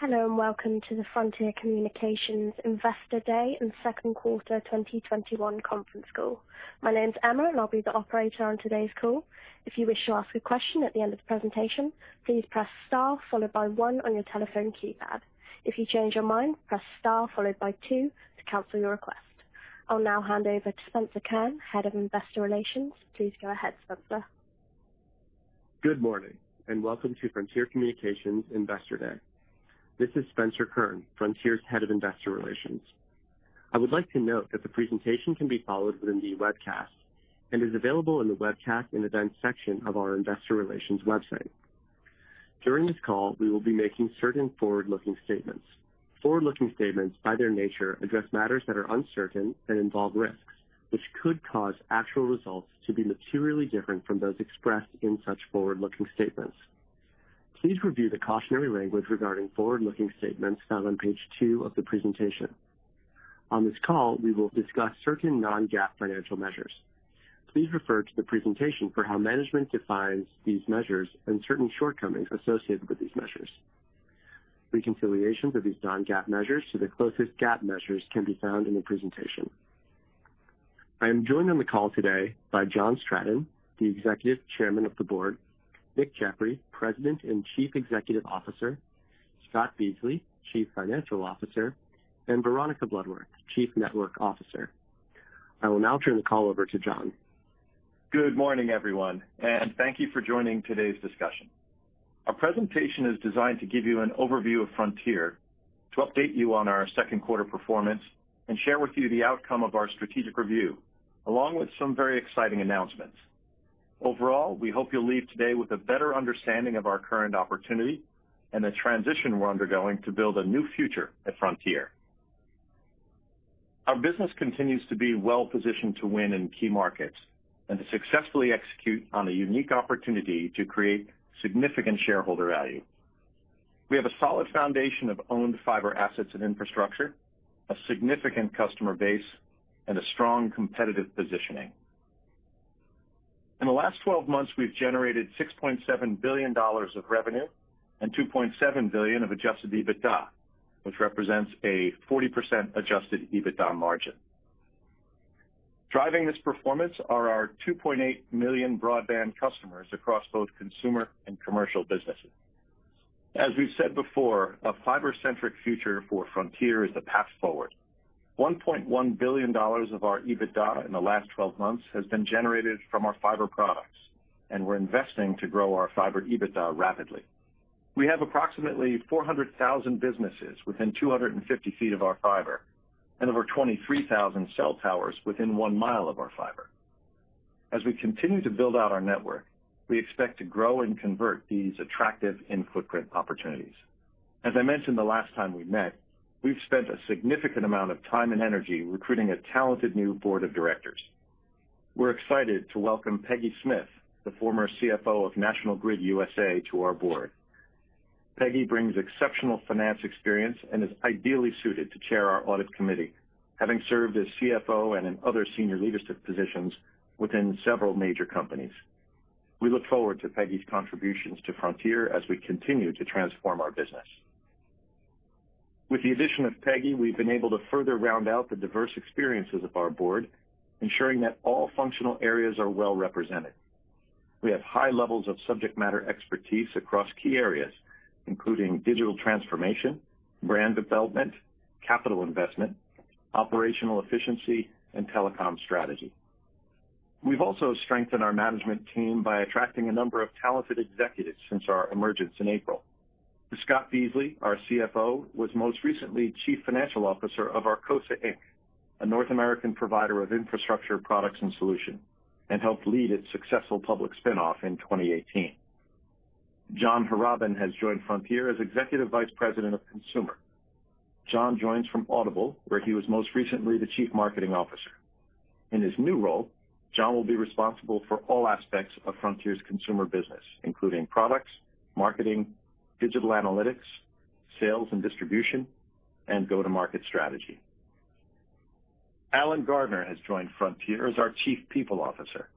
Hello, and welcome to the Frontier Communications Investor Day and Second Quarter 2021 Conference Call. My name's Emma, and I'll be the operator on today's call. If you wish to ask a question st the end of the presentation, please press star followed by one on your telephone keypad. If you change your mind, press star followed by two to cancel your request. I'll now hand over to Spencer Kurn, Head of Investor Relations. Please go ahead, Spencer. Good morning. Welcome to Frontier Communications Investor Day. This is Spencer Kurn, Frontier's Head of Investor Relations. I would like to note that the presentation can be followed within the webcast and is available in the Webcast in Advance section of our investor relations website. During this call, we will be making certain forward-looking statements. Forward-looking statements, by their nature, address matters that are uncertain and involve risks, which could cause actual results to be materially different from those expressed in such forward-looking statements. Please review the cautionary language regarding forward-looking statements found on page two of the presentation. On this call, we will discuss certain non-GAAP financial measures. Please refer to the presentation for how management defines these measures and certain shortcomings associated with these measures. Reconciliations of these non-GAAP measures to the closest GAAP measures can be found in the presentation. I am joined on the call today by John Stratton, the Executive Chairman of the Board, Nick Jeffery, President and Chief Executive Officer, Scott Beasley, Chief Financial Officer, and Veronica Bloodworth, Chief Network Officer. I will now turn the call over to John. Good morning, everyone. Thank you for joining today's discussion. Our presentation is designed to give you an overview of Frontier, to update you on our second quarter performance, and share with you the outcome of our strategic review, along with some very exciting announcements. Overall, we hope you'll leave today with a better understanding of our current opportunity and the transition we're undergoing to build a new future at Frontier. Our business continues to be well-positioned to win in key markets and to successfully execute on a unique opportunity to create significant shareholder value. We have a solid foundation of owned fiber assets and infrastructure, a significant customer base, and a strong competitive positioning. In the last 12 months, we've generated $6.7 billion of revenue and $2.7 billion of Adjusted EBITDA, which represents a 40% Adjusted EBITDA margin. Driving this performance are our 2.8 million broadband customers across both consumer and commercial businesses. As we've said before, a fiber-centric future for Frontier is the path forward. $1.1 billion of our EBITDA in the last 12 months has been generated from our fiber products, and we're investing to grow our fiber EBITDA rapidly. We have approximately 400,000 businesses within 250 feet of our fiber and over 23,000 cell towers within 1 mile of our fiber. As we continue to build out our network, we expect to grow and convert these attractive input grid opportunities. As I mentioned the last time we met, we've spent a significant amount of time and energy recruiting a talented new board of directors. We're excited to welcome Peggy Smyth, the former Chief Financial Officer of National Grid USA, to our board. Peggy brings exceptional finance experience and is ideally suited to chair our audit committee, having served as Chief Financial Officer and in other senior leadership positions within several major companies. We look forward to Peggy's contributions to Frontier as we continue to transform our business. With the addition of Peggy, we've been able to further round out the diverse experiences of our board, ensuring that all functional areas are well represented. We have high levels of subject matter expertise across key areas, including digital transformation, brand development, capital investment, operational efficiency, and telecom strategy. We've also strengthened our management team by attracting a number of talented executives since our emergence in April. Scott Beasley, our Chief Financial Officer, was most recently Chief Financial Officer of Arcosa, Inc., a North American provider of infrastructure products and solutions, and helped lead its successful public spin-off in 2018. John Harrobin has joined Frontier as Executive Vice President of Consumer. John joins from Audible, where he was most recently the Chief Marketing Officer. In his new role, John will be responsible for all aspects of Frontier's consumer business, including products, marketing, digital analytics, sales and distribution, and go-to-market strategy. Alan Gardner has joined Frontier as our Chief People Officer.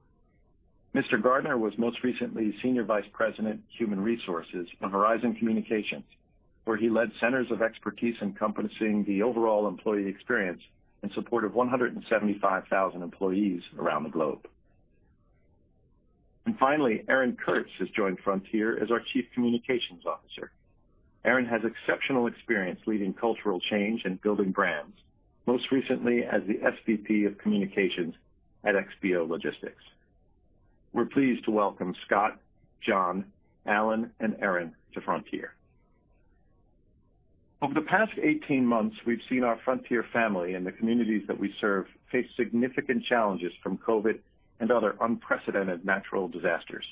Mr. Gardner was most recently Senior Vice President, Human Resources for Verizon Wireless, where he led centers of expertise encompassing the overall employee experience in support of 175,000 employees around the globe. Finally, Erin Kurtz has joined Frontier as our Chief Communications Officer. Erin has exceptional experience leading cultural change and building brands, most recently as the Senior Vice President of Communications at XPO Logistics. We're pleased to welcome Scott, John, Alan, and Erin to Frontier. Over the past 18 months, we've seen our Frontier family and the communities that we serve face significant challenges from COVID and other unprecedented natural disasters.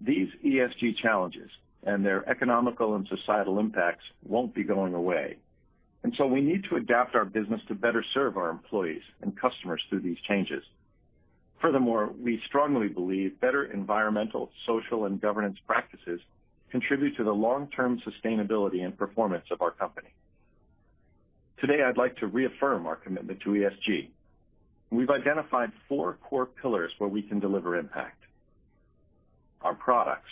These ESG challenges and their economical and societal impacts won't be going away. We need to adapt our business to better serve our employees and customers through these changes. Furthermore, we strongly believe better environmental, social, and governance practices contribute to the long-term sustainability and performance of our company. Today, I'd like to reaffirm our commitment to ESG. We've identified four core pillars where we can deliver impact. Our products.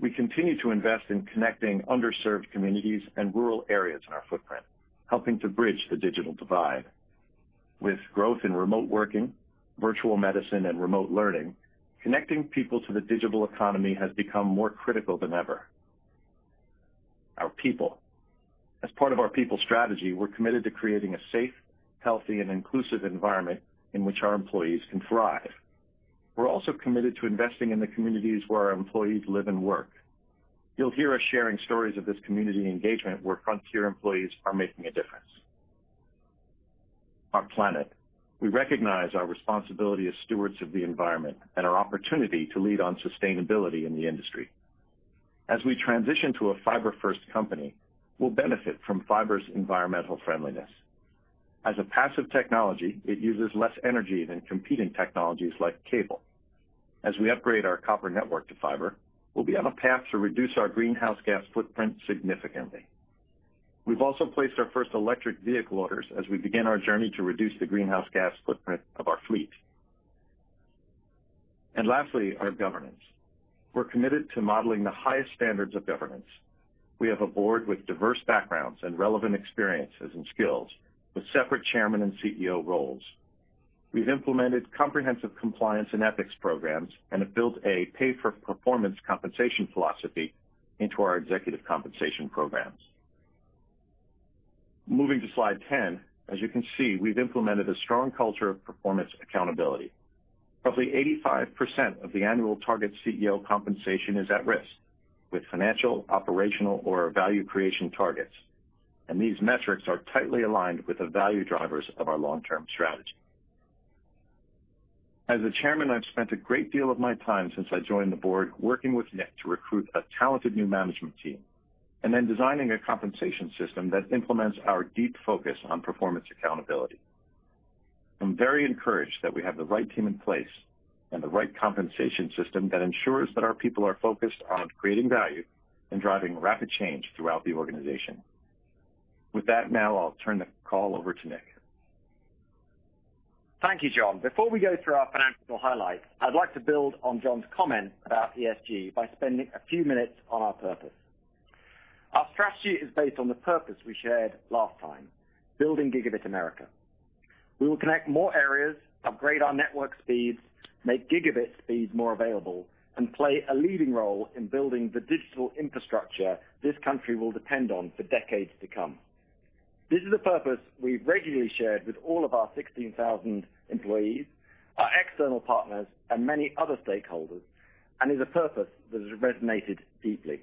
We continue to invest in connecting underserved communities and rural areas in our footprint, helping to bridge the digital divide. With growth in remote working, virtual medicine, and remote learning, connecting people to the digital economy has become more critical than ever. Our people. As part of our people strategy, we're committed to creating a safe, healthy, and inclusive environment in which our employees can thrive. We're also committed to investing in the communities where our employees live and work. You'll hear us sharing stories of this community engagement where Frontier employees are making a difference. Our planet. We recognize our responsibility as stewards of the environment and our opportunity to lead on sustainability in the industry. As we transition to a fiber-first company, we'll benefit from fiber's environmental friendliness. A passive technology, it uses less energy than competing technologies like cable. As we upgrade our copper network to fiber, we'll be on a path to reduce our greenhouse gas footprint significantly. We've also placed our first electric vehicle orders as we begin our journey to reduce the greenhouse gas footprint of our fleet. Lastly, our governance. We're committed to modeling the highest standards of governance. We have a board with diverse backgrounds and relevant experiences and skills, with separate chairman and Chief Executive Officer roles. We've implemented comprehensive compliance and ethics programs and have built a pay-for-performance compensation philosophy into our executive compensation programs. Moving to slide 10. As you can see, we've implemented a strong culture of performance accountability. Roughly 85% of the annual target Chief Executive Officer compensation is at risk, with financial, operational, or value creation targets, and these metrics are tightly aligned with the value drivers of our long-term strategy. As the chairman, I've spent a great deal of my time since I joined the board working with Nick to recruit a talented new management team, and then designing a compensation system that implements our deep focus on performance accountability. I'm very encouraged that we have the right team in place and the right compensation system that ensures that our people are focused on creating value and driving rapid change throughout the organization. With that, now I'll turn the call over to Nick. Thank you, John. Before we go through our financial highlights, I'd like to build on John's comment about ESG by spending a few minutes on our purpose. Our strategy is based on the purpose we shared last time, building Gigabit America. We will connect more areas, upgrade our network speeds, make gigabit speeds more available, and play a leading role in building the digital infrastructure this country will depend on for decades to come. This is a purpose we've regularly shared with all of our 16,000 employees, our external partners, and many other stakeholders, and is a purpose that has resonated deeply.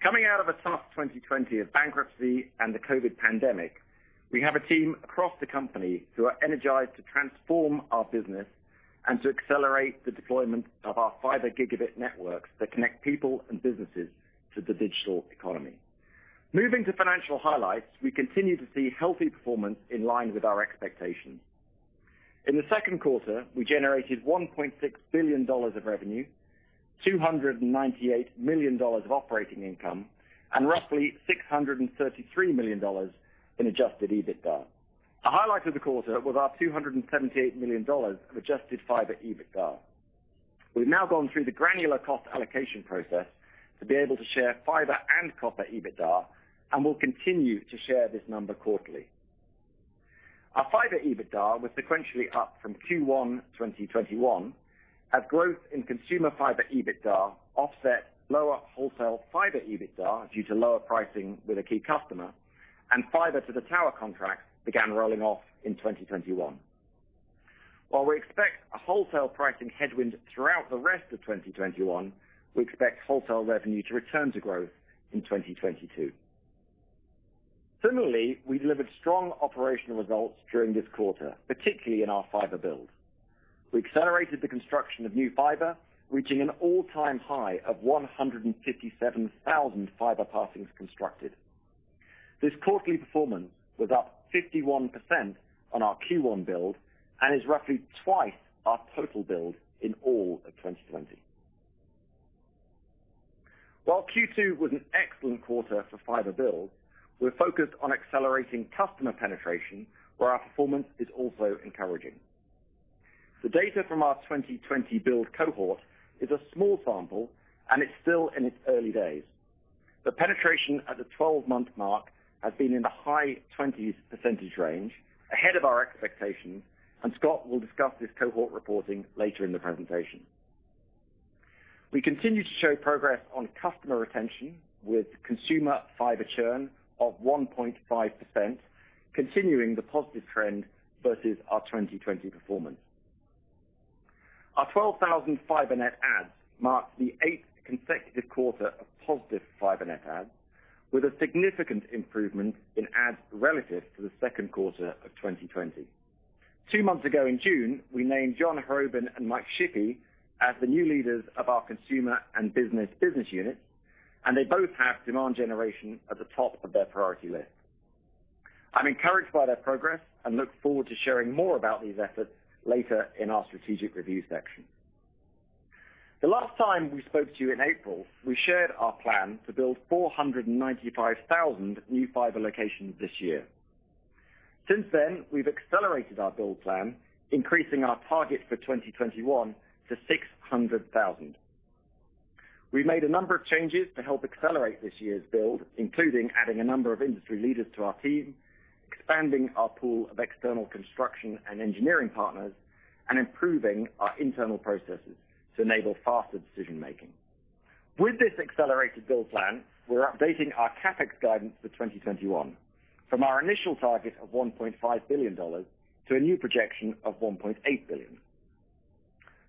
Coming out of a tough 2020 of bankruptcy and the COVID pandemic, we have a team across the company who are energized to transform our business and to accelerate the deployment of our fiber gigabit networks that connect people and businesses to the digital economy. Moving to financial highlights. We continue to see healthy performance in line with our expectations. In the second quarter, we generated $1.6 billion of revenue, $298 million of operating income, and roughly $633 million in Adjusted EBITDA. A highlight of the quarter was our $278 million of adjusted fiber EBITDA. We've now gone through the granular cost allocation process to be able to share fiber and copper EBITDA, and we'll continue to share this number quarterly. Our fiber EBITDA was sequentially up from Q1 2021 as growth in consumer fiber EBITDA offset lower wholesale fiber EBITDA due to lower pricing with a key customer and fiber to the tower contract began rolling off in 2021. We expect a wholesale pricing headwind throughout the rest of 2021, we expect wholesale revenue to return to growth in 2022. Similarly, we delivered strong operational results during this quarter, particularly in our fiber build. We accelerated the construction of new fiber, reaching an all-time high of 157,000 fiber passings constructed. This quarterly performance was up 51% on our Q1 build and is roughly twice our total build in all of 2020. While Q2 was an excellent quarter for fiber build, we're focused on accelerating customer penetration, where our performance is also encouraging. The data from our 2020 build cohort is a small sample, and it's still in its early days. The penetration at the 12-month mark has been in the high 20s percentage range, ahead of our expectations, and Scott will discuss this cohort reporting later in the presentation. We continue to show progress on customer retention with consumer fiber churn of 1.5%, continuing the positive trend versus our 2020 performance. Our 12,000 fiber net adds marks the eighth consecutive quarter of positive fiber net adds, with a significant improvement in adds relative to the second quarter of 2020. Two months ago in June, we named John Harrobin and Mike Shippey as the new leaders of our Consumer and Business units. They both have demand generation at the top of their priority list. I'm encouraged by their progress and look forward to sharing more about these efforts later in our strategic review section. The last time we spoke to you in April, we shared our plan to build 495,000 new fiber locations this year. Since then, we've accelerated our build plan, increasing our target for 2021 to 600,000. We've made a number of changes to help accelerate this year's build, including adding a number of industry leaders to our team, expanding our pool of external construction and engineering partners, and improving our internal processes to enable faster decision-making. With this accelerated build plan, we're updating our CapEx guidance for 2021 from our initial target of $1.5 billion to a new projection of $1.8 billion.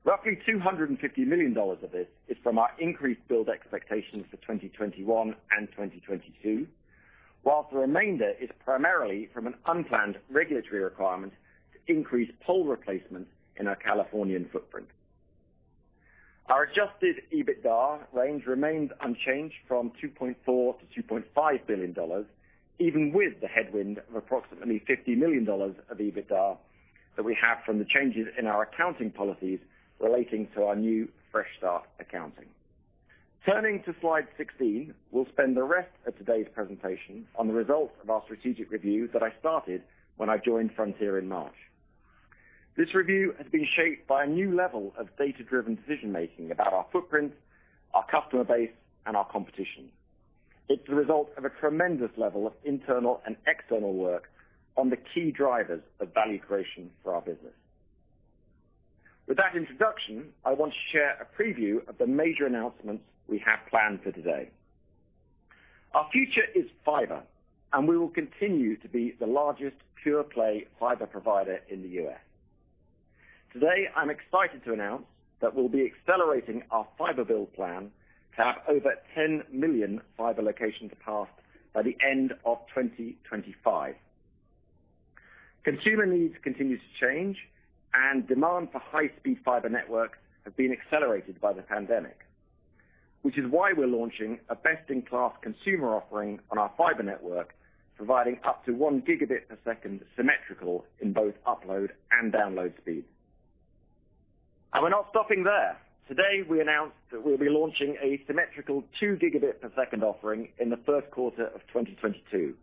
Roughly $250 million of this is from our increased build expectations for 2021 and 2022, whilst the remainder is primarily from an unplanned regulatory requirement to increase pole replacement in our Californian footprint. Our Adjusted EBITDA range remains unchanged from $2.4 billion-$2.5 billion, even with the headwind of approximately $50 million of EBITDA that we have from the changes in our accounting policies relating to our new fresh start accounting. Turning to slide 16, we'll spend the rest of today's presentation on the results of our strategic review that I started when I joined Frontier in March. This review has been shaped by a new level of data-driven decision-making about our footprint, our customer base, and our competition. It's the result of a tremendous level of internal and external work on the key drivers of value creation for our business. With that introduction, I want to share a preview of the major announcements we have planned for today. Our future is fiber, and we will continue to be the largest pure-play fiber provider in the U.S. Today, I'm excited to announce that we'll be accelerating our fiber build plan to have over 10 million fiber locations passed by the end of 2025. Consumer needs continue to change. Demand for high-speed fiber networks have been accelerated by the pandemic, which is why we're launching a best-in-class consumer offering on our fiber network, providing up to 1 Gbps symmetrical in both upload and download speed. We're not stopping there. Today, we announced that we'll be launching a symmetrical 2 Gbps offering in the first quarter of 2022,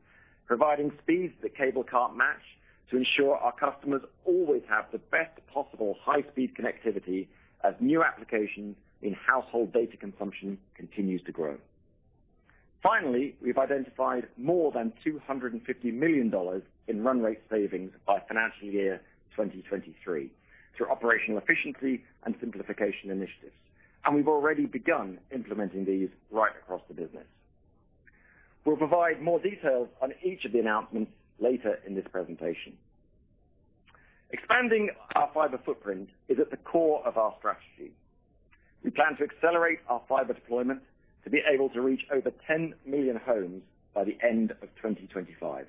providing speeds that cable can't match to ensure our customers always have the best possible high-speed connectivity as new applications in household data consumption continues to grow. We've identified more than $250 million in run rate savings by financial year 2023 through operational efficiency and simplification initiatives. We've already begun implementing these right across the business. We'll provide more details on each of the announcements later in this presentation. Expanding our fiber footprint is at the core of our strategy. We plan to accelerate our fiber deployment to be able to reach over 10 million homes by the end of 2025.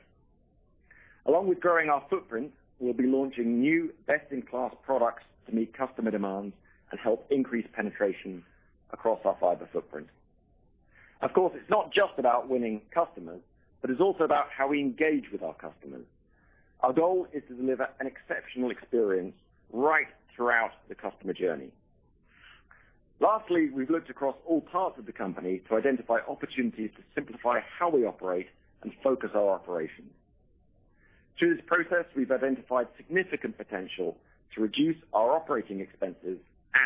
Along with growing our footprint, we'll be launching new best-in-class products to meet customer demands and help increase penetration across our fiber footprint. Of course, it's not just about winning customers, but it's also about how we engage with our customers. Our goal is to deliver an exceptional experience right throughout the customer journey. Lastly, we've looked across all parts of the company to identify opportunities to simplify how we operate and focus our operations. Through this process, we've identified significant potential to reduce our operating expenses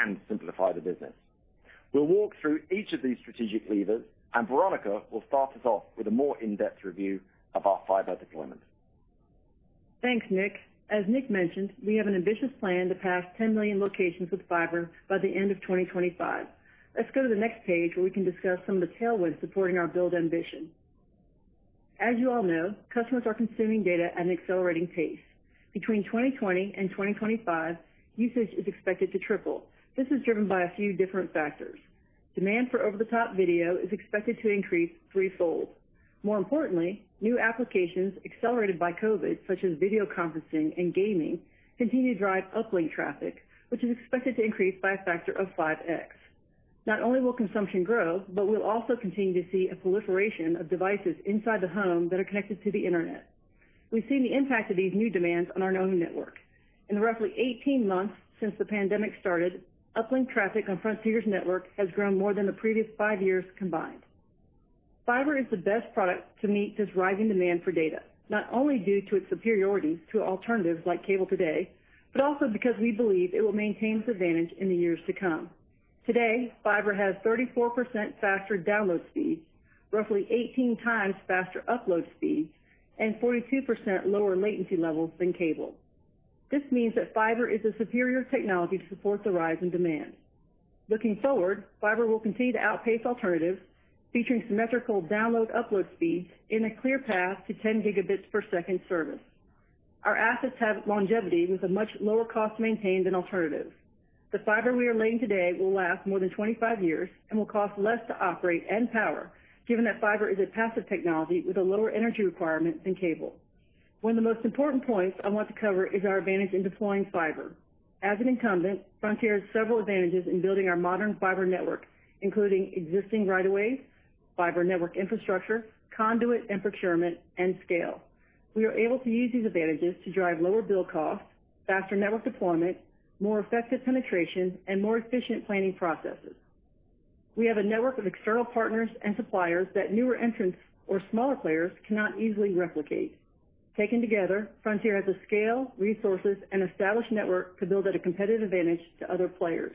and simplify the business. We'll walk through each of these strategic levers, and Veronica will start us off with a more in-depth review of our fiber deployment. Thanks, Nick. As Nick mentioned, we have an ambitious plan to pass 10 million locations with fiber by the end of 2025. Let's go to the next page where we can discuss some of the tailwinds supporting our build ambition. As you all know, customers are consuming data at an accelerating pace. Between 2020 and 2025, usage is expected to triple. This is driven by a few different factors. Demand for over-the-top video is expected to increase threefold. More importantly, new applications accelerated by COVID, such as video conferencing and gaming, continue to drive uplink traffic, which is expected to increase by a factor of 5x. Not only will consumption grow, we'll also continue to see a proliferation of devices inside the home that are connected to the Internet. We've seen the impact of these new demands on our own network. In the roughly 18 months since the pandemic started, uplink traffic on Frontier's network has grown more than the previous five years combined. Fiber is the best product to meet this rising demand for data, not only due to its superiority to alternatives like cable today, but also because we believe it will maintain its advantage in the years to come. Today, fiber has 34% faster download speeds, roughly 18 times faster upload speeds, and 42% lower latency levels than cable. This means that fiber is a superior technology to support the rise in demand. Looking forward, fiber will continue to outpace alternatives, featuring symmetrical download/upload speeds in a clear path to 10 Gbps service. Our assets have longevity with a much lower cost to maintain than alternatives. The fiber we are laying today will last more than 25 years and will cost less to operate and power, given that fiber is a passive technology with a lower energy requirement than cable. One of the most important points I want to cover is our advantage in deploying fiber. As an incumbent, Frontier has several advantages in building our modern fiber network, including existing right of ways, fiber network infrastructure, conduit and procurement, and scale. We are able to use these advantages to drive lower build costs, faster network deployment, more effective penetration, and more efficient planning processes. We have a network of external partners and suppliers that newer entrants or smaller players cannot easily replicate. Taken together, Frontier has the scale, resources, and established network to build at a competitive advantage to other players.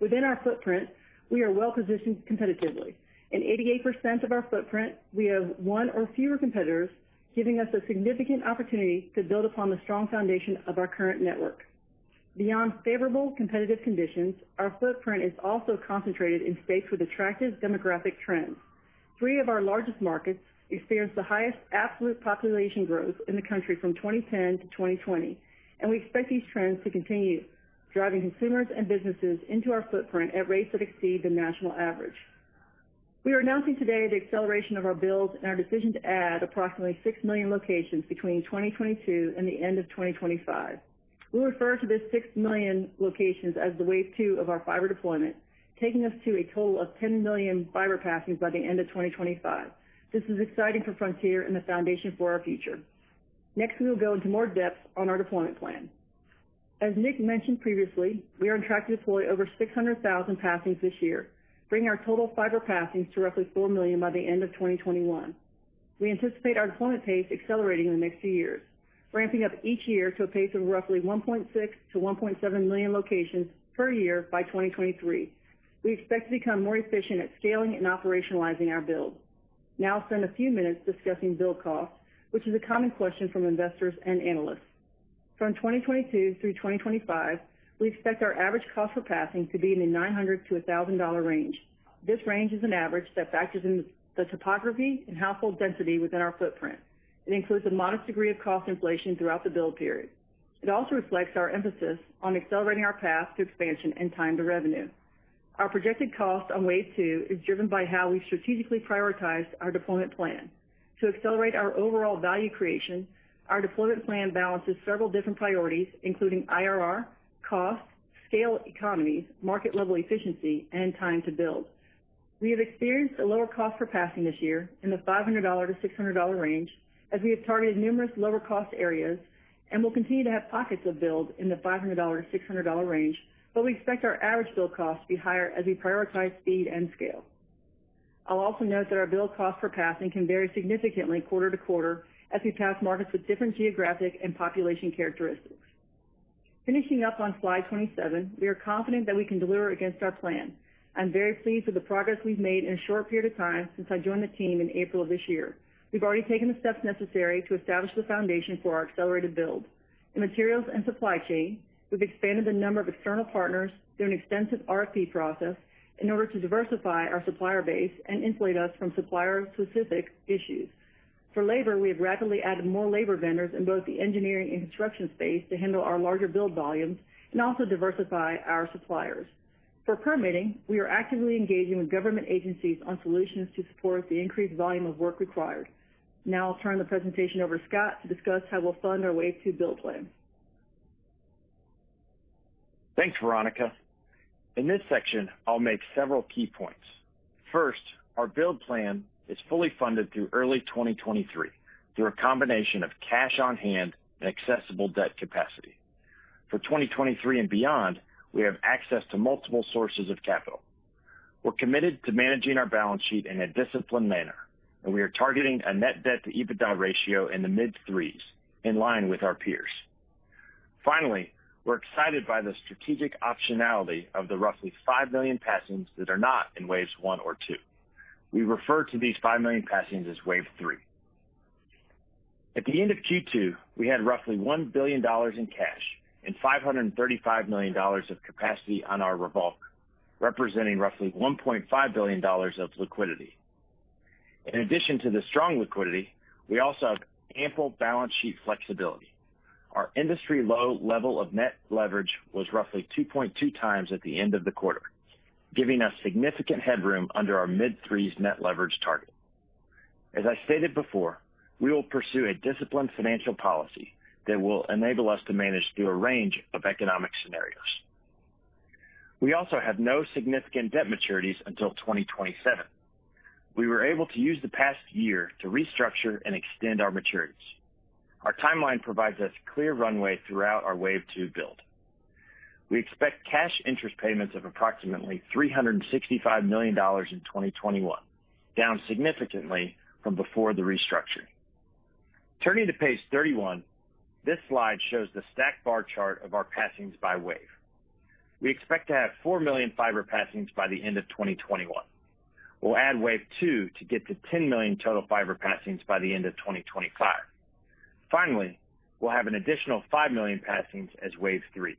Within our footprint, we are well-positioned competitively. In 88% of our footprint, we have one or fewer competitors, giving us a significant opportunity to build upon the strong foundation of our current network. Beyond favorable competitive conditions, our footprint is also concentrated in states with attractive demographic trends. Three of our largest markets experienced the highest absolute population growth in the country from 2010-2020, and we expect these trends to continue, driving consumers and businesses into our footprint at rates that exceed the national average. We are announcing today the acceleration of our build and our decision to add approximately six million locations between 2022 and the end of 2025. We refer to this six million locations as the Wave two of our fiber deployment, taking us to a total of 10 million fiber passings by the end of 2025. This is exciting for Frontier and the foundation for our future. Next, we will go into more depth on our deployment plan. As Nick mentioned previously, we are on track to deploy over 600,000 passings this year, bringing our total fiber passings to roughly four million by the end of 2021. We anticipate our deployment pace accelerating in the next few years, ramping up each year to a pace of roughly 1.6 million-1.7 million locations per year by 2023. We expect to become more efficient at scaling and operationalizing our build. Now I'll spend a few minutes discussing build cost, which is a common question from investors and analysts. From 2022 through 2025, we expect our average cost per passing to be in the $900-$1,000 range. This range is an average that factors in the topography and household density within our footprint. It includes a modest degree of cost inflation throughout the build period. It also reflects our emphasis on accelerating our path to expansion and time to revenue. Our projected cost on Wave two is driven by how we strategically prioritize our deployment plan. To accelerate our overall value creation, our deployment plan balances several different priorities, including IRR, cost, scale economies, market level efficiency, and time to build. We have experienced a lower cost per passing this year in the $500-$600 range, as we have targeted numerous lower-cost areas and will continue to have pockets of build in the $500-$600 range. We expect our average build cost to be higher as we prioritize speed and scale. I'll also note that our build cost per passing can vary significantly quarter-to-quarter as we pass markets with different geographic and population characteristics. Finishing up on slide 27, we are confident that we can deliver against our plan. I'm very pleased with the progress we've made in a short period of time since I joined the team in April of this year. We've already taken the steps necessary to establish the foundation for our accelerated build. In materials and supply chain, we've expanded the number of external partners through an extensive RFP process in order to diversify our supplier base and insulate us from supplier-specific issues. For labor, we have rapidly added more labor vendors in both the engineering and construction space to handle our larger build volumes and also diversify our suppliers. For permitting, we are actively engaging with government agencies on solutions to support the increased volume of work required. Now I'll turn the presentation over to Scott to discuss how we'll fund our Wave two build plan. Thanks, Veronica. In this section, I will make several key points. First, our build plan is fully funded through early 2023 through a combination of cash on hand and accessible debt capacity. For 2023 and beyond, we have access to multiple sources of capital. We are committed to managing our balance sheet in a disciplined manner, and we are targeting a net debt to EBITDA ratio in the mid-3s, in line with our peers. Finally, we are excited by the strategic optionality of the roughly five million passings that are not in Wave one or two. We refer to these five million passings as Wave three. At the end of Q2, we had roughly $1 billion in cash and $535 million of capacity on our revolve, representing roughly $1.5 billion of liquidity. In addition to the strong liquidity, we also have ample balance sheet flexibility. Our industry-low level of net leverage was roughly 2.2 times at the end of the quarter, giving us significant headroom under our mid-3s net leverage target. As I stated before, we will pursue a disciplined financial policy that will enable us to manage through a range of economic scenarios. We also have no significant debt maturities until 2027. We were able to use the past year to restructure and extend our maturities. Our timeline provides us clear runway throughout our Wave two build. We expect cash interest payments of approximately $365 million in 2021, down significantly from before the restructuring. Turning to page 31, this slide shows the stacked bar chart of our passings by wave. We expect to have four million fiber passings by the end of 2021. We'll add Wave two to get to 10 million total fiber passings by the end of 2025. Finally, we'll have an additional five million passings as Wave three.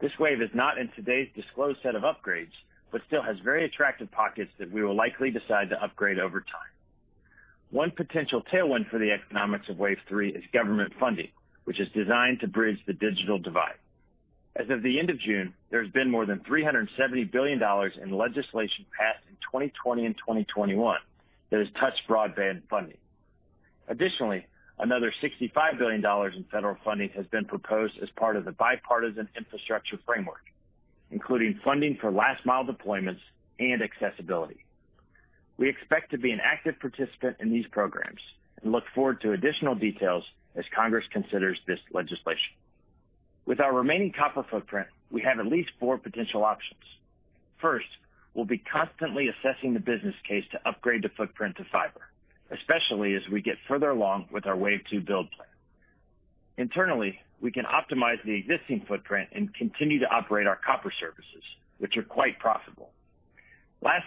This Wave is not in today's disclosed set of upgrades, still has very attractive pockets that we will likely decide to upgrade over time. One potential tailwind for the economics of Wave three is government funding, which is designed to bridge the digital divide. As of the end of June, there has been more than $370 billion in legislation passed in 2020 and 2021 that has touched broadband funding. Another $65 billion in federal funding has been proposed as part of the bipartisan infrastructure framework, including funding for last mile deployments and accessibility. We expect to be an active participant in these programs and look forward to additional details as Congress considers this legislation. With our remaining copper footprint, we have at least four potential options. We'll be constantly assessing the business case to upgrade the footprint to fiber, especially as we get further along with our Wave two build plan. Internally, we can optimize the existing footprint and continue to operate our copper services, which are quite profitable.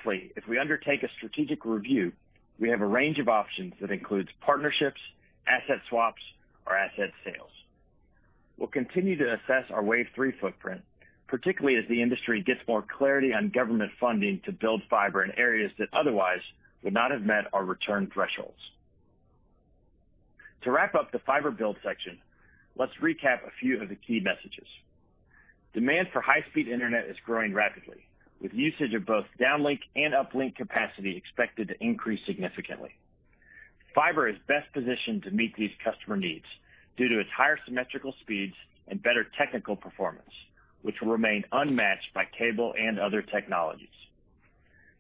If we undertake a strategic review, we have a range of options that includes partnerships, asset swaps, or asset sales. We'll continue to assess our Wave three footprint, particularly as the industry gets more clarity on government funding to build fiber in areas that otherwise would not have met our return thresholds. To wrap up the fiber build section, let's recap a few of the key messages. Demand for high-speed internet is growing rapidly, with usage of both downlink and uplink capacity expected to increase significantly. Fiber is best positioned to meet these customer needs due to its higher symmetrical speeds and better technical performance, which will remain unmatched by cable and other technologies.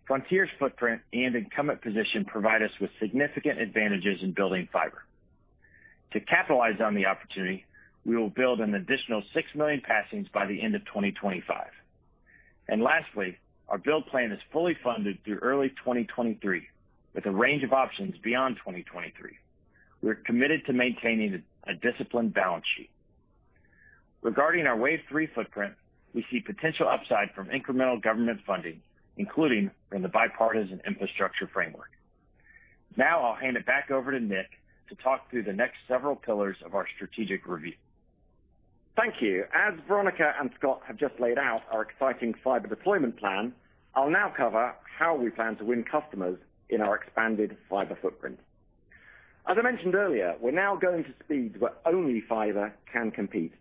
Frontier's footprint and incumbent position provide us with significant advantages in building fiber. To capitalize on the opportunity, we will build an additional six million passings by the end of 2025. Lastly, our build plan is fully funded through early 2023, with a range of options beyond 2023. We are committed to maintaining a disciplined balance sheet. Regarding our Wave three footprint, we see potential upside from incremental government funding, including from the bipartisan infrastructure framework. Now I'll hand it back over to Nick to talk through the next several pillars of our strategic review. Thank you. As Veronica and Scott have just laid out our exciting fiber deployment plan, I will now cover how we plan to win customers in our expanded fiber footprint. As I mentioned earlier, we are now going to speeds where only fiber can compete.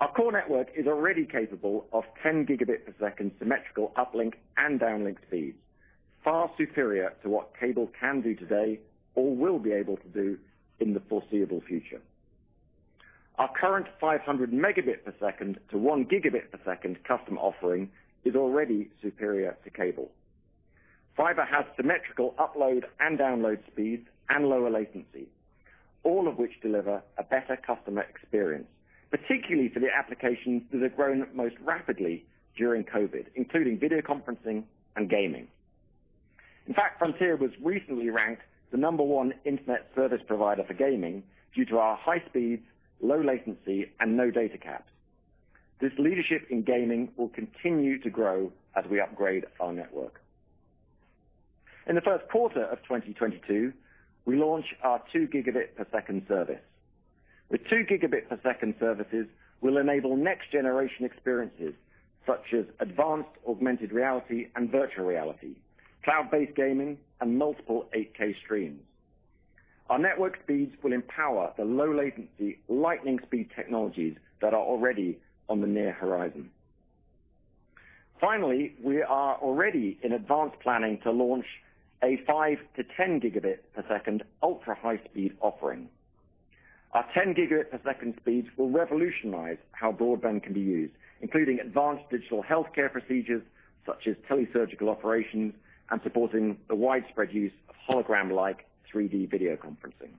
Our core network is already capable of 10 Gbps symmetrical uplink and downlink speeds, far superior to what cable can do today or will be able to do in the foreseeable future. Our current 500 Mbps to 1 Gbps custom offering is already superior to cable. Fiber has symmetrical upload and download speeds and lower latency, all of which deliver a better customer experience, particularly for the applications that have grown most rapidly during COVID, including video conferencing and gaming. In fact, Frontier was recently ranked the number one internet service provider for gaming due to our high speeds, low latency, and no data caps. This leadership in gaming will continue to grow as we upgrade our network. In the first quarter of 2022, we launch our 2 Gbps service. With 2 Gbps services will enable next-generation experiences such as advanced augmented reality and virtual reality, cloud-based gaming, and multiple 8K streams. Our network speeds will empower the low latency, lightning speed technologies that are already on the near horizon. Finally, we are already in advanced planning to launch a 5-10 Gbps ultra-high speed offering. Our 10 Gbps speeds will revolutionize how broadband can be used, including advanced digital healthcare procedures such as tele-surgical operations and supporting the widespread use of hologram-like 3D video conferencing.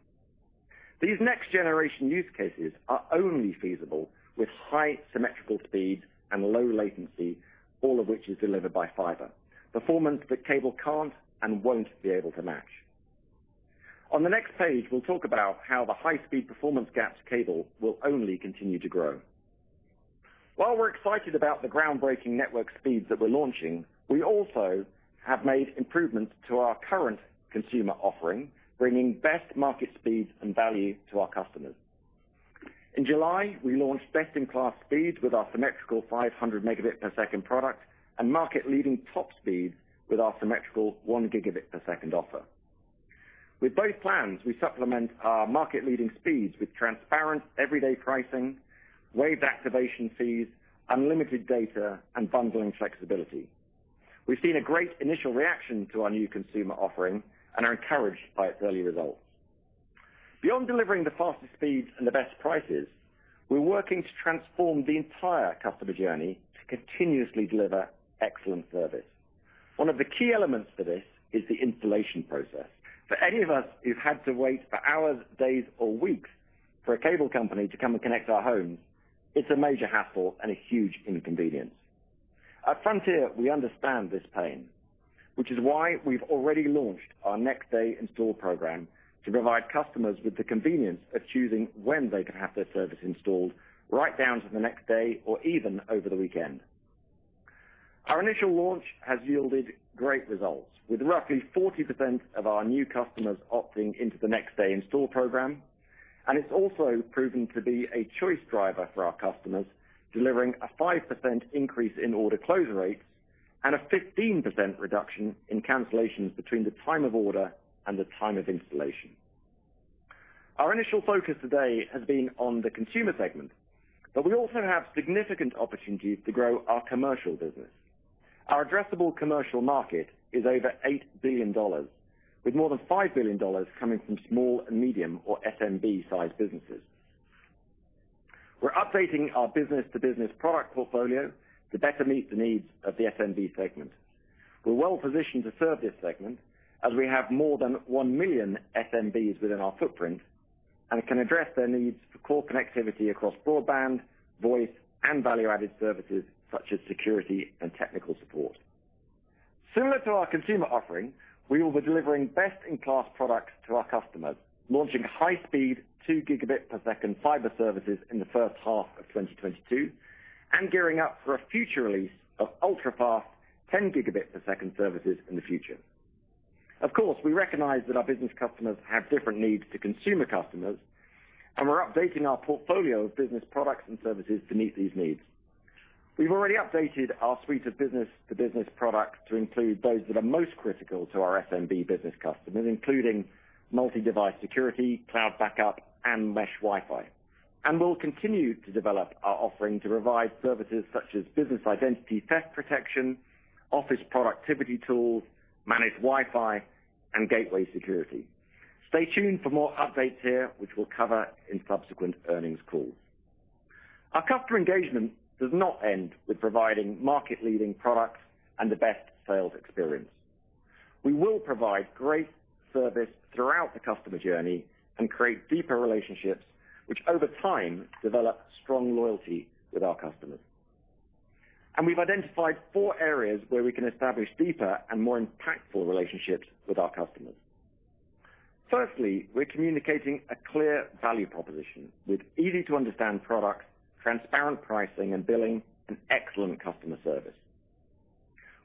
These next-generation use cases are only feasible with high symmetrical speeds and low latency, all of which is delivered by fiber, performance that cable can't and won't be able to match. On the next page, we'll talk about how the high-speed performance gaps cable will only continue to grow. While we're excited about the groundbreaking network speeds that we're launching, we also have made improvements to our current consumer offering, bringing best market speeds and value to our customers. In July, we launched best-in-class speeds with our symmetrical 500 Mbps product and market-leading top speeds with our symmetrical 1 Gbps offer. With both plans, we supplement our market-leading speeds with transparent everyday pricing, waived activation fees, unlimited data, and bundling flexibility. We've seen a great initial reaction to our new consumer offering and are encouraged by its early results. Beyond delivering the fastest speeds and the best prices, we're working to transform the entire customer journey to continuously deliver excellent service. One of the key elements to this is the installation process. For any of us who've had to wait for hours, days, or weeks for a cable company to come and connect our homes, it's a major hassle and a huge inconvenience. At Frontier, we understand this pain, which is why we've already launched our Next Day Install program to provide customers with the convenience of choosing when they can have their service installed right down to the next day or even over the weekend. Our initial launch has yielded great results, with roughly 40% of our new customers opting into the Next Day Install program, and it's also proven to be a choice driver for our customers, delivering a 5% increase in order closure rates and a 15% reduction in cancellations between the time of order and the time of installation. Our initial focus today has been on the consumer segment. We also have significant opportunities to grow our commercial business. Our addressable commercial market is over $8 billion, with more than $5 billion coming from Small and Medium, or SMB-sized businesses. We're updating our business-to-business product portfolio to better meet the needs of the SMB segment. We're well positioned to serve this segment, as we have more than one million SMBs within our footprint and can address their needs for core connectivity across broadband, voice, and value-added services such as security and technical support. Similar to our consumer offering, we will be delivering best-in-class products to our customers, launching high-speed 2 Gbps fiber services in the first half of 2022, and gearing up for a future release of ultra-fast 10 Gbps services in the future. Of course, we recognize that our business customers have different needs to consumer customers, and we're updating our portfolio of business products and services to meet these needs. We've already updated our suite of business-to-business products to include those that are most critical to our SMB business customers, including multi-device security, cloud backup, and mesh Wi-Fi. We'll continue to develop our offering to provide services such as business identity theft protection, office productivity tools, managed Wi-Fi, and gateway security. Stay tuned for more updates here, which we'll cover in subsequent earnings calls. Our customer engagement does not end with providing market-leading products and the best sales experience. We will provide great service throughout the customer journey and create deeper relationships, which over time, develop strong loyalty with our customers. We've identified four areas where we can establish deeper and more impactful relationships with our customers. Firstly, we're communicating a clear value proposition with easy-to-understand products, transparent pricing and billing, and excellent customer service.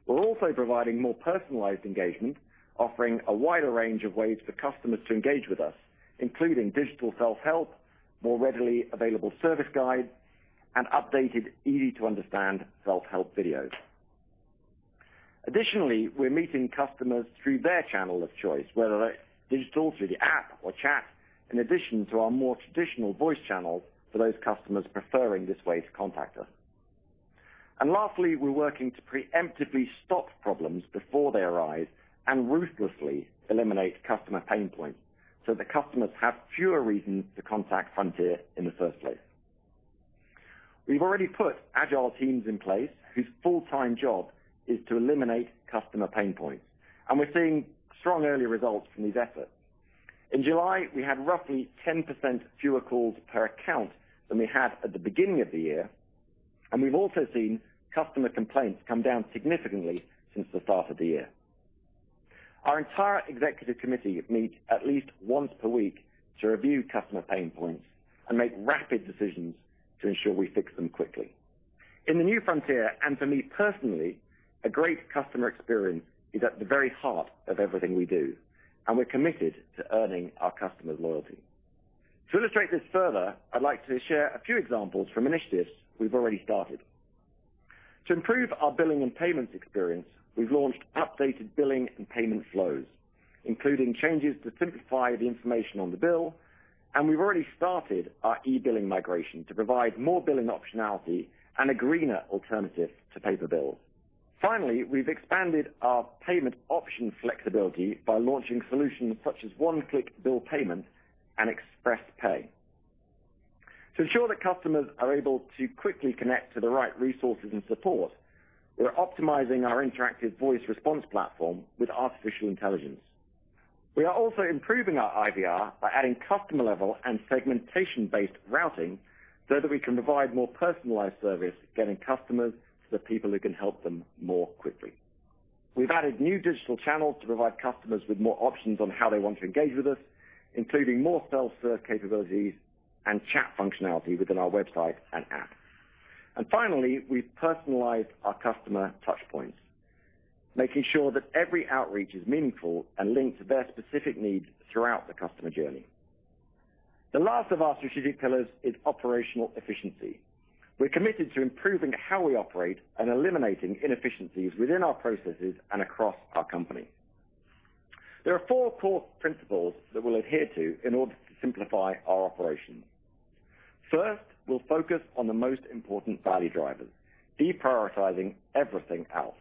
We're also providing more personalized engagement, offering a wider range of ways for customers to engage with us, including digital self-help, more readily available service guides, and updated, easy-to-understand self-help videos. Additionally, we're meeting customers through their channel of choice, whether that's digital through the app or chat, in addition to our more traditional voice channel for those customers preferring this way to contact us. Lastly, we're working to preemptively stop problems before they arise and ruthlessly eliminate customer pain points so that customers have fewer reasons to contact Frontier in the first place. We've already put agile teams in place whose full-time job is to eliminate customer pain points, and we're seeing strong early results from these efforts. In July, we had roughly 10% fewer calls per account than we had at the beginning of the year, and we've also seen customer complaints come down significantly since the start of the year. Our entire executive committee meets at least once per week to review customer pain points and make rapid decisions to ensure we fix them quickly. In the new Frontier, and for me personally, a great customer experience is at the very heart of everything we do, and we're committed to earning our customers' loyalty. To illustrate this further, I'd like to share a few examples from initiatives we've already started. To improve our billing and payments experience, we've launched updated billing and payment flows, including changes to simplify the information on the bill, and we've already started our e-billing migration to provide more billing optionality and a greener alternative to paper bills. Finally, we've expanded our payment option flexibility by launching solutions such as One Click Bill Payment and Express Pay. To ensure that customers are able to quickly connect to the right resources and support, we're optimizing our interactive voice response platform with artificial intelligence. We are also improving our IVR by adding customer-level and segmentation-based routing so that we can provide more personalized service, getting customers to the people who can help them more quickly. We've added new digital channels to provide customers with more options on how they want to engage with us, including more self-serve capabilities and chat functionality within our website and app. Finally, we've personalized our customer touchpoints, making sure that every outreach is meaningful and linked to their specific needs throughout the customer journey. The last of our strategic pillars is operational efficiency. We're committed to improving how we operate and eliminating inefficiencies within our processes and across our company. There are four core principles that we'll adhere to in order to simplify our operations. First, we'll focus on the most important value drivers, deprioritizing everything else.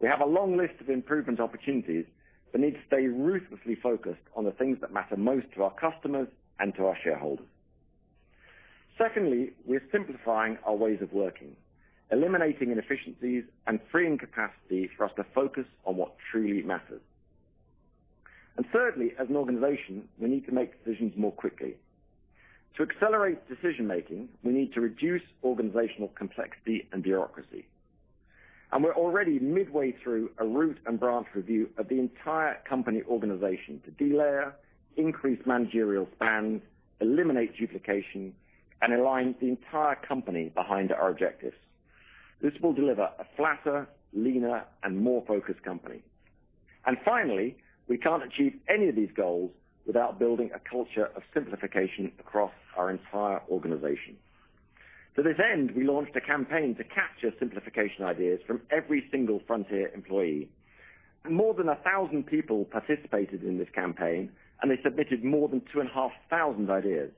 We have a long list of improvement opportunities but need to stay ruthlessly focused on the things that matter most to our customers and to our shareholders. Secondly, we are simplifying our ways of working, eliminating inefficiencies and freeing capacity for us to focus on what truly matters. Thirdly, as an organization, we need to make decisions more quickly. To accelerate decision-making, we need to reduce organizational complexity and bureaucracy. We're already midway through a root and branch review of the entire company organization to delayer, increase managerial spans, eliminate duplication, and align the entire company behind our objectives. This will deliver a flatter, leaner, and more focused company. Finally, we can't achieve any of these goals without building a culture of simplification across our entire organization. To this end, we launched a campaign to capture simplification ideas from every single Frontier employee, and more than 1,000 people participated in this campaign, and they submitted more than 2,500 ideas.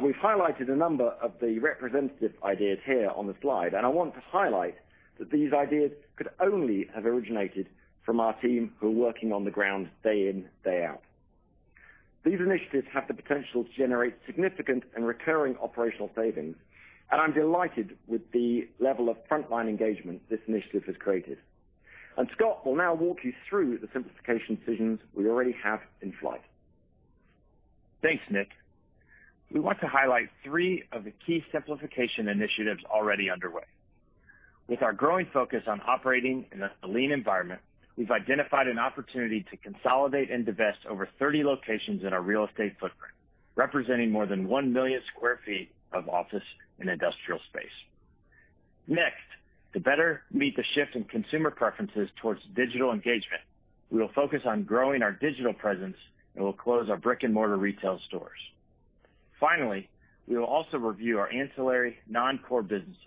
We've highlighted a number of the representative ideas here on the slide. I want to highlight that these ideas could only have originated from our team who are working on the ground day in, day out. These initiatives have the potential to generate significant and recurring operational savings. I'm delighted with the level of frontline engagement this initiative has created. Scott will now walk you through the simplification decisions we already have in flight. Thanks, Nick. We want to highlight three of the key simplification initiatives already underway. With our growing focus on operating in a lean environment, we've identified an opportunity to consolidate and divest over 30 locations in our real estate footprint, representing more than 1 million sq ft of office and industrial space. Next, to better meet the shift in consumer preferences towards digital engagement, we will focus on growing our digital presence, and we'll close our brick-and-mortar retail stores. Finally, we will also review our ancillary non-core businesses,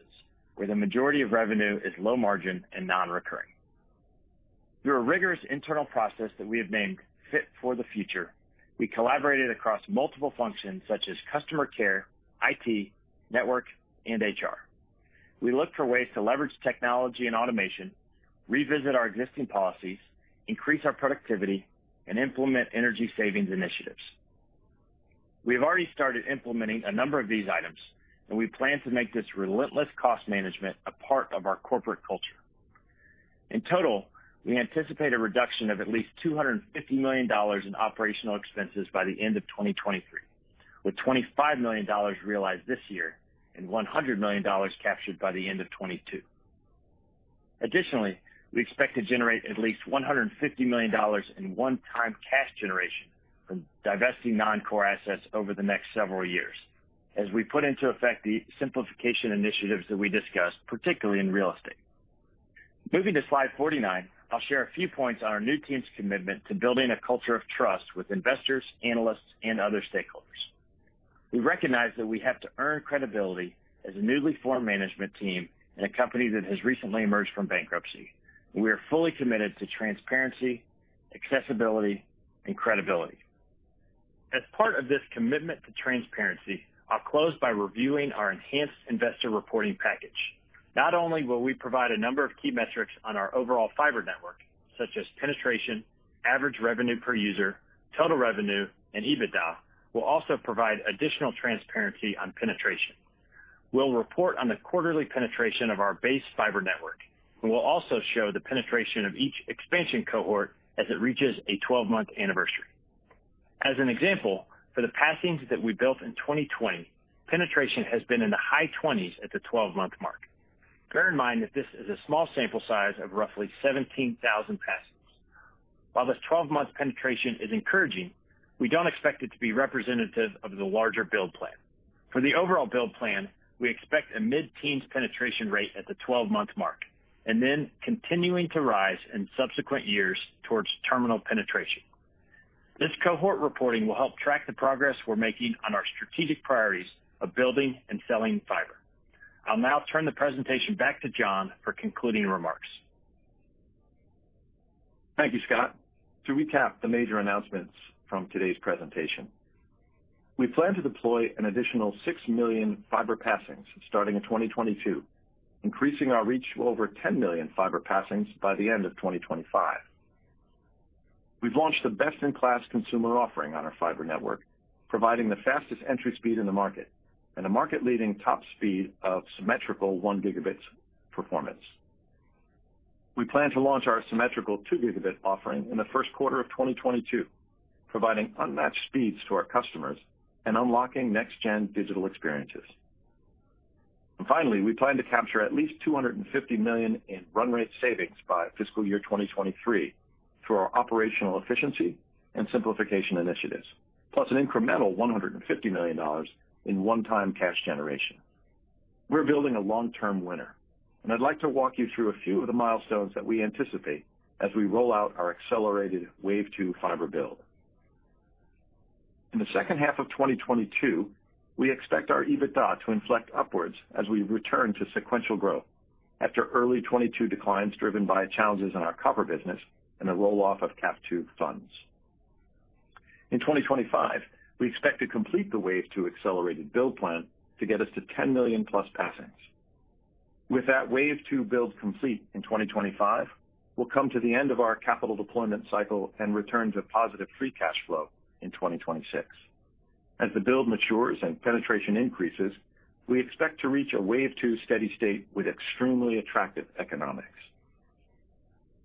where the majority of revenue is low margin and non-recurring. Through a rigorous internal process that we have named Fit for the Future, we collaborated across multiple functions such as customer care, IT, network, and HR. We looked for ways to leverage technology and automation, revisit our existing policies, increase our productivity, and implement energy savings initiatives. We have already started implementing a number of these items, and we plan to make this relentless cost management a part of our corporate culture. In total, we anticipate a reduction of at least $250 million in operational expenses by the end of 2023, with $25 million realized this year and $100 million captured by the end of 2022. Additionally, we expect to generate at least $150 million in one-time cash generation from divesting non-core assets over the next several years as we put into effect the simplification initiatives that we discussed, particularly in real estate. Moving to slide 49, I'll share a few points on our new team's commitment to building a culture of trust with investors, analysts, and other stakeholders. We recognize that we have to earn credibility as a newly formed management team and a company that has recently emerged from bankruptcy. We are fully committed to transparency, accessibility, and credibility. As part of this commitment to transparency, I'll close by reviewing our enhanced investor reporting package. Not only will we provide a number of key metrics on our overall fiber network, such as penetration, average revenue per user, total revenue, and EBITDA, we'll also provide additional transparency on penetration. We'll report on the quarterly penetration of our base fiber network, and we'll also show the penetration of each expansion cohort as it reaches a 12-month anniversary. As an example, for the passings that we built in 2020, penetration has been in the high 20s at the 12-month mark. Bear in mind that this is a small sample size of roughly 17,000 passings. While this 12-month penetration is encouraging, we don't expect it to be representative of the larger build plan. For the overall build plan, we expect a mid-teens penetration rate at the 12-month mark and then continuing to rise in subsequent years towards terminal penetration. This cohort reporting will help track the progress we're making on our strategic priorities of building and selling fiber. I'll now turn the presentation back to John for concluding remarks. Thank you, Scott. To recap the major announcements from today's presentation, we plan to deploy an additional six million fiber passings starting in 2022, increasing our reach to over 10 million fiber passings by the end of 2025. We've launched a best-in-class consumer offering on our fiber network, providing the fastest entry speed in the market and a market-leading top speed of symmetrical 1 Gb performance. We plan to launch our symmetrical 2 Gb offering in the first quarter of 2022, providing unmatched speeds to our customers and unlocking next-gen digital experiences. Finally, we plan to capture at least $250 million in run rate savings by FY 2023 through our operational efficiency and simplification initiatives, plus an incremental $150 million in one-time cash generation. We're building a long-term winner, and I'd like to walk you through a few of the milestones that we anticipate as we roll out our accelerated Wave 2 fiber build. In the second half of 2022, we expect our EBITDA to inflect upwards as we return to sequential growth after early 2022 declines driven by challenges in our copper business and the roll-off of CAF II funds. In 2025, we expect to complete the Wave 2 accelerated build plan to get us to 10 million+ passings. With that Wave 2 build complete in 2025, we'll come to the end of our capital deployment cycle and return to positive free cash flow in 2026. As the build matures and penetration increases, we expect to reach a Wave 2 steady state with extremely attractive economics.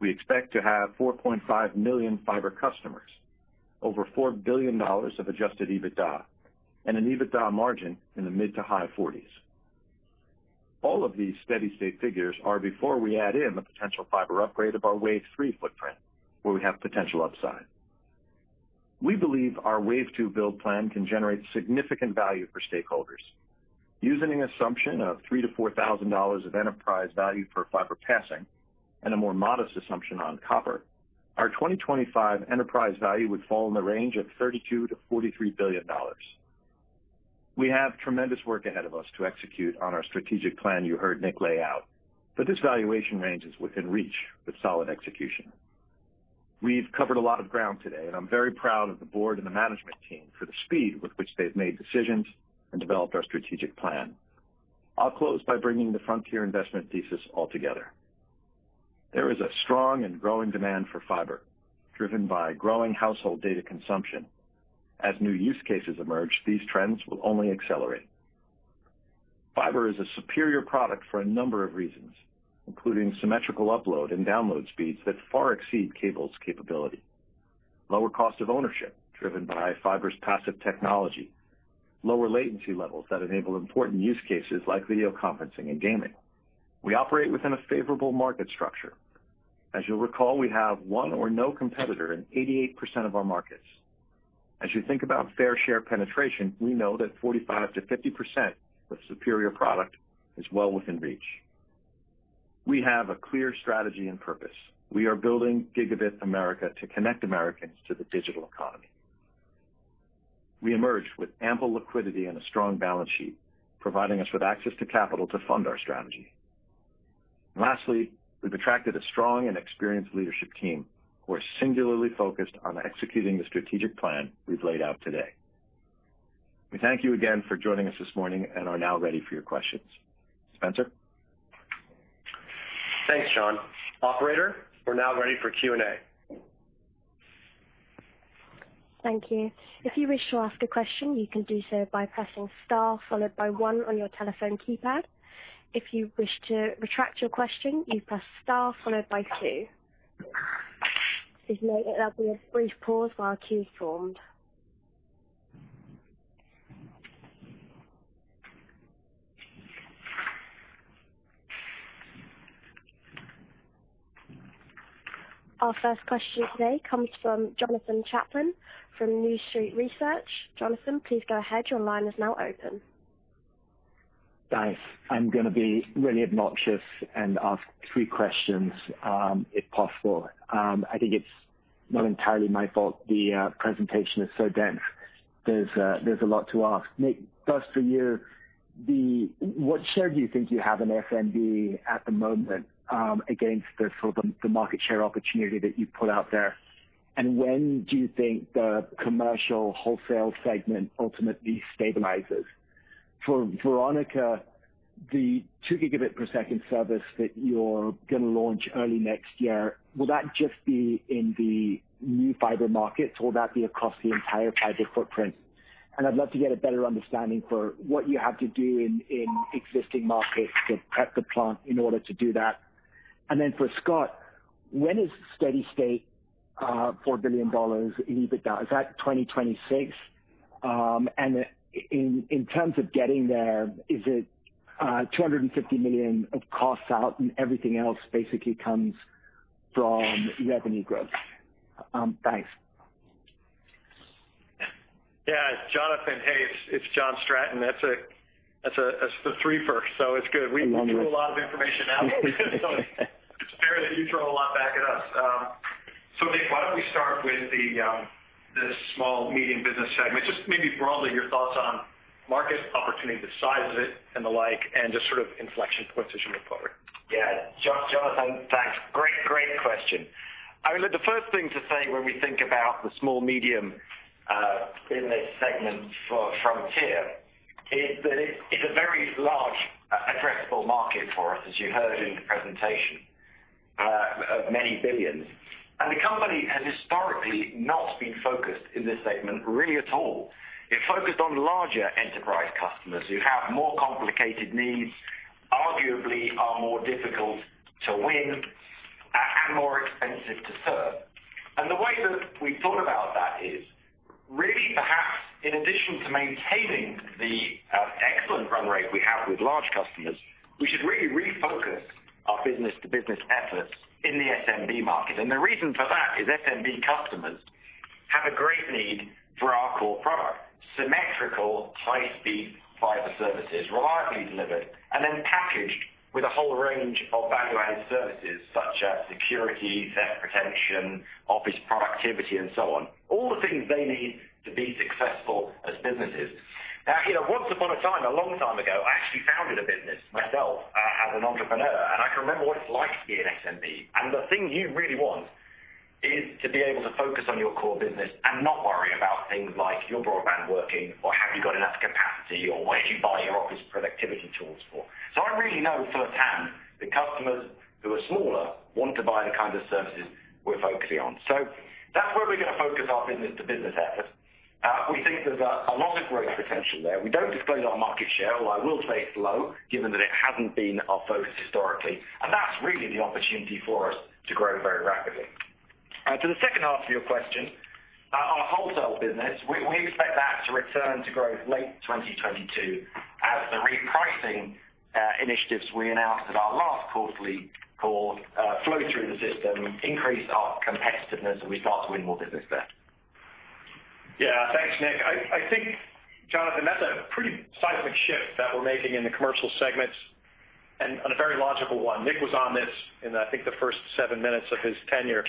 We expect to have 4.5 million fiber customers, over $4 billion of adjusted EBITDA, and an EBITDA margin in the mid to high 40s. All of these steady state figures are before we add in the potential fiber upgrade of our Wave 3 footprint, where we have potential upside. We believe our Wave 2 build plan can generate significant value for stakeholders. Using an assumption of $3,000-$4,000 of enterprise value per fiber passing and a more modest assumption on copper, our 2025 enterprise value would fall in the range of $32 billion-$43 billion. We have tremendous work ahead of us to execute on our strategic plan you heard Nick lay out. This valuation range is within reach with solid execution. We've covered a lot of ground today. I'm very proud of the board and the management team for the speed with which they've made decisions and developed our strategic plan. I'll close by bringing the Frontier investment thesis all together. There is a strong and growing demand for fiber, driven by growing household data consumption. As new use cases emerge, these trends will only accelerate. Fiber is a superior product for a number of reasons, including symmetrical upload and download speeds that far exceed cable's capability, lower cost of ownership, driven by fiber's passive technology, and lower latency levels that enable important use cases like video conferencing and gaming. We operate within a favorable market structure. As you'll recall, we have one or no competitor in 88% of our markets. As you think about fair share penetration, we know that 45%-50% with superior product is well within reach. We have a clear strategy and purpose. We are building Gigabit America to connect Americans to the digital economy. We emerge with ample liquidity and a strong balance sheet, providing us with access to capital to fund our strategy. Lastly, we've attracted a strong and experienced leadership team who are singularly focused on executing the strategic plan we've laid out today. We thank you again for joining us this morning and are now ready for your questions. Spencer? Thanks, John. Operator, we're now ready for Q&A. Thank you. If you wish to ask a question, you can do so by pressing star followed by one on your telephone keypad. If you wish to retract your question, you press star followed by two. There'll be a brief pause while a queue is formed. Our first question today comes from Jonathan Chaplin from New Street Research. Jonathan, please go ahead. Your line is now open. Thanks. I'm going to be really obnoxious and ask three questions, if possible. I think it's not entirely my fault the presentation is so dense. There's a lot to ask. Nick Jeffery, first for you, what share do you think you have in SMB at the moment, against the market share opportunity that you put out there? When do you think the commercial wholesale segment ultimately stabilizes? For Veronica Bloodworth, the 2 gigabit per second service that you're going to launch early next year, will that just be in the new fiber markets, or will that be across the entire fiber footprint? I'd love to get a better understanding for what you have to do in existing markets to prep the plant in order to do that. For Scott Beasley, when is steady state $4 billion in EBITDA? Is that 2026? In terms of getting there, is it $250 million of costs out, and everything else basically comes from revenue growth? Thanks. Yeah. Jonathan, hey, it's John Stratton. That's a three-fer. It's good. Wonderful. We threw a lot of information out. It's fair that you throw a lot back at us. Nick, why don't we start with the small medium business segment. Just maybe broadly, your thoughts on market opportunity, the size of it and the like, and just sort of inflection points as you move forward. Yeah. Jonathan, thanks. Great question. I mean, look, the first thing to say when we think about the small medium in this segment for Frontier is that it is a very large addressable market for us, as you heard in the presentation, of many billions. The company has historically not been focused in this segment really at all. It focused on larger enterprise customers who have more complicated needs, arguably are more difficult to win, and more expensive to serve. The way that we thought about that is really perhaps in addition to maintaining the excellent run rate we have with large customers, we should really refocus our business-to-business efforts in the SMB market. The reason for that is SMB customers have a great need for our core product, symmetrical high-speed fiber services reliably delivered, and then packaged with a whole range of value-added services such as security, theft protection, office productivity, and so on. All the things they need to be successful as businesses. Once upon a time, a long time ago, I actually founded a business myself as an entrepreneur, and I can remember what it's like to be an SMB. The thing you really want is to be able to focus on your core business and not worry about things like your broadband working, or have you got enough capacity, or where do you buy your office productivity tools for. I really know firsthand that customers who are smaller want to buy the kind of services we're focusing on. That's where we're going to focus our business-to-business efforts. We think there's a lot of growth potential there. We don't disclose our market share, although I will say it's low, given that it hasn't been our focus historically, and that's really the opportunity for us to grow very rapidly. To the second half of your question, our wholesale business, we expect that to return to growth late 2022 as the repricing initiatives we announced at our last quarterly call flow through the system, increase our competitiveness, and we start to win more business there. Yeah. Thanks, Nick Jeffery. I think, Jonathan Chaplin, that's a pretty seismic shift that we're making in the commercial segments, and a very logical one. Nick Jeffery was on this in, I think, the first 7 minutes of his tenure.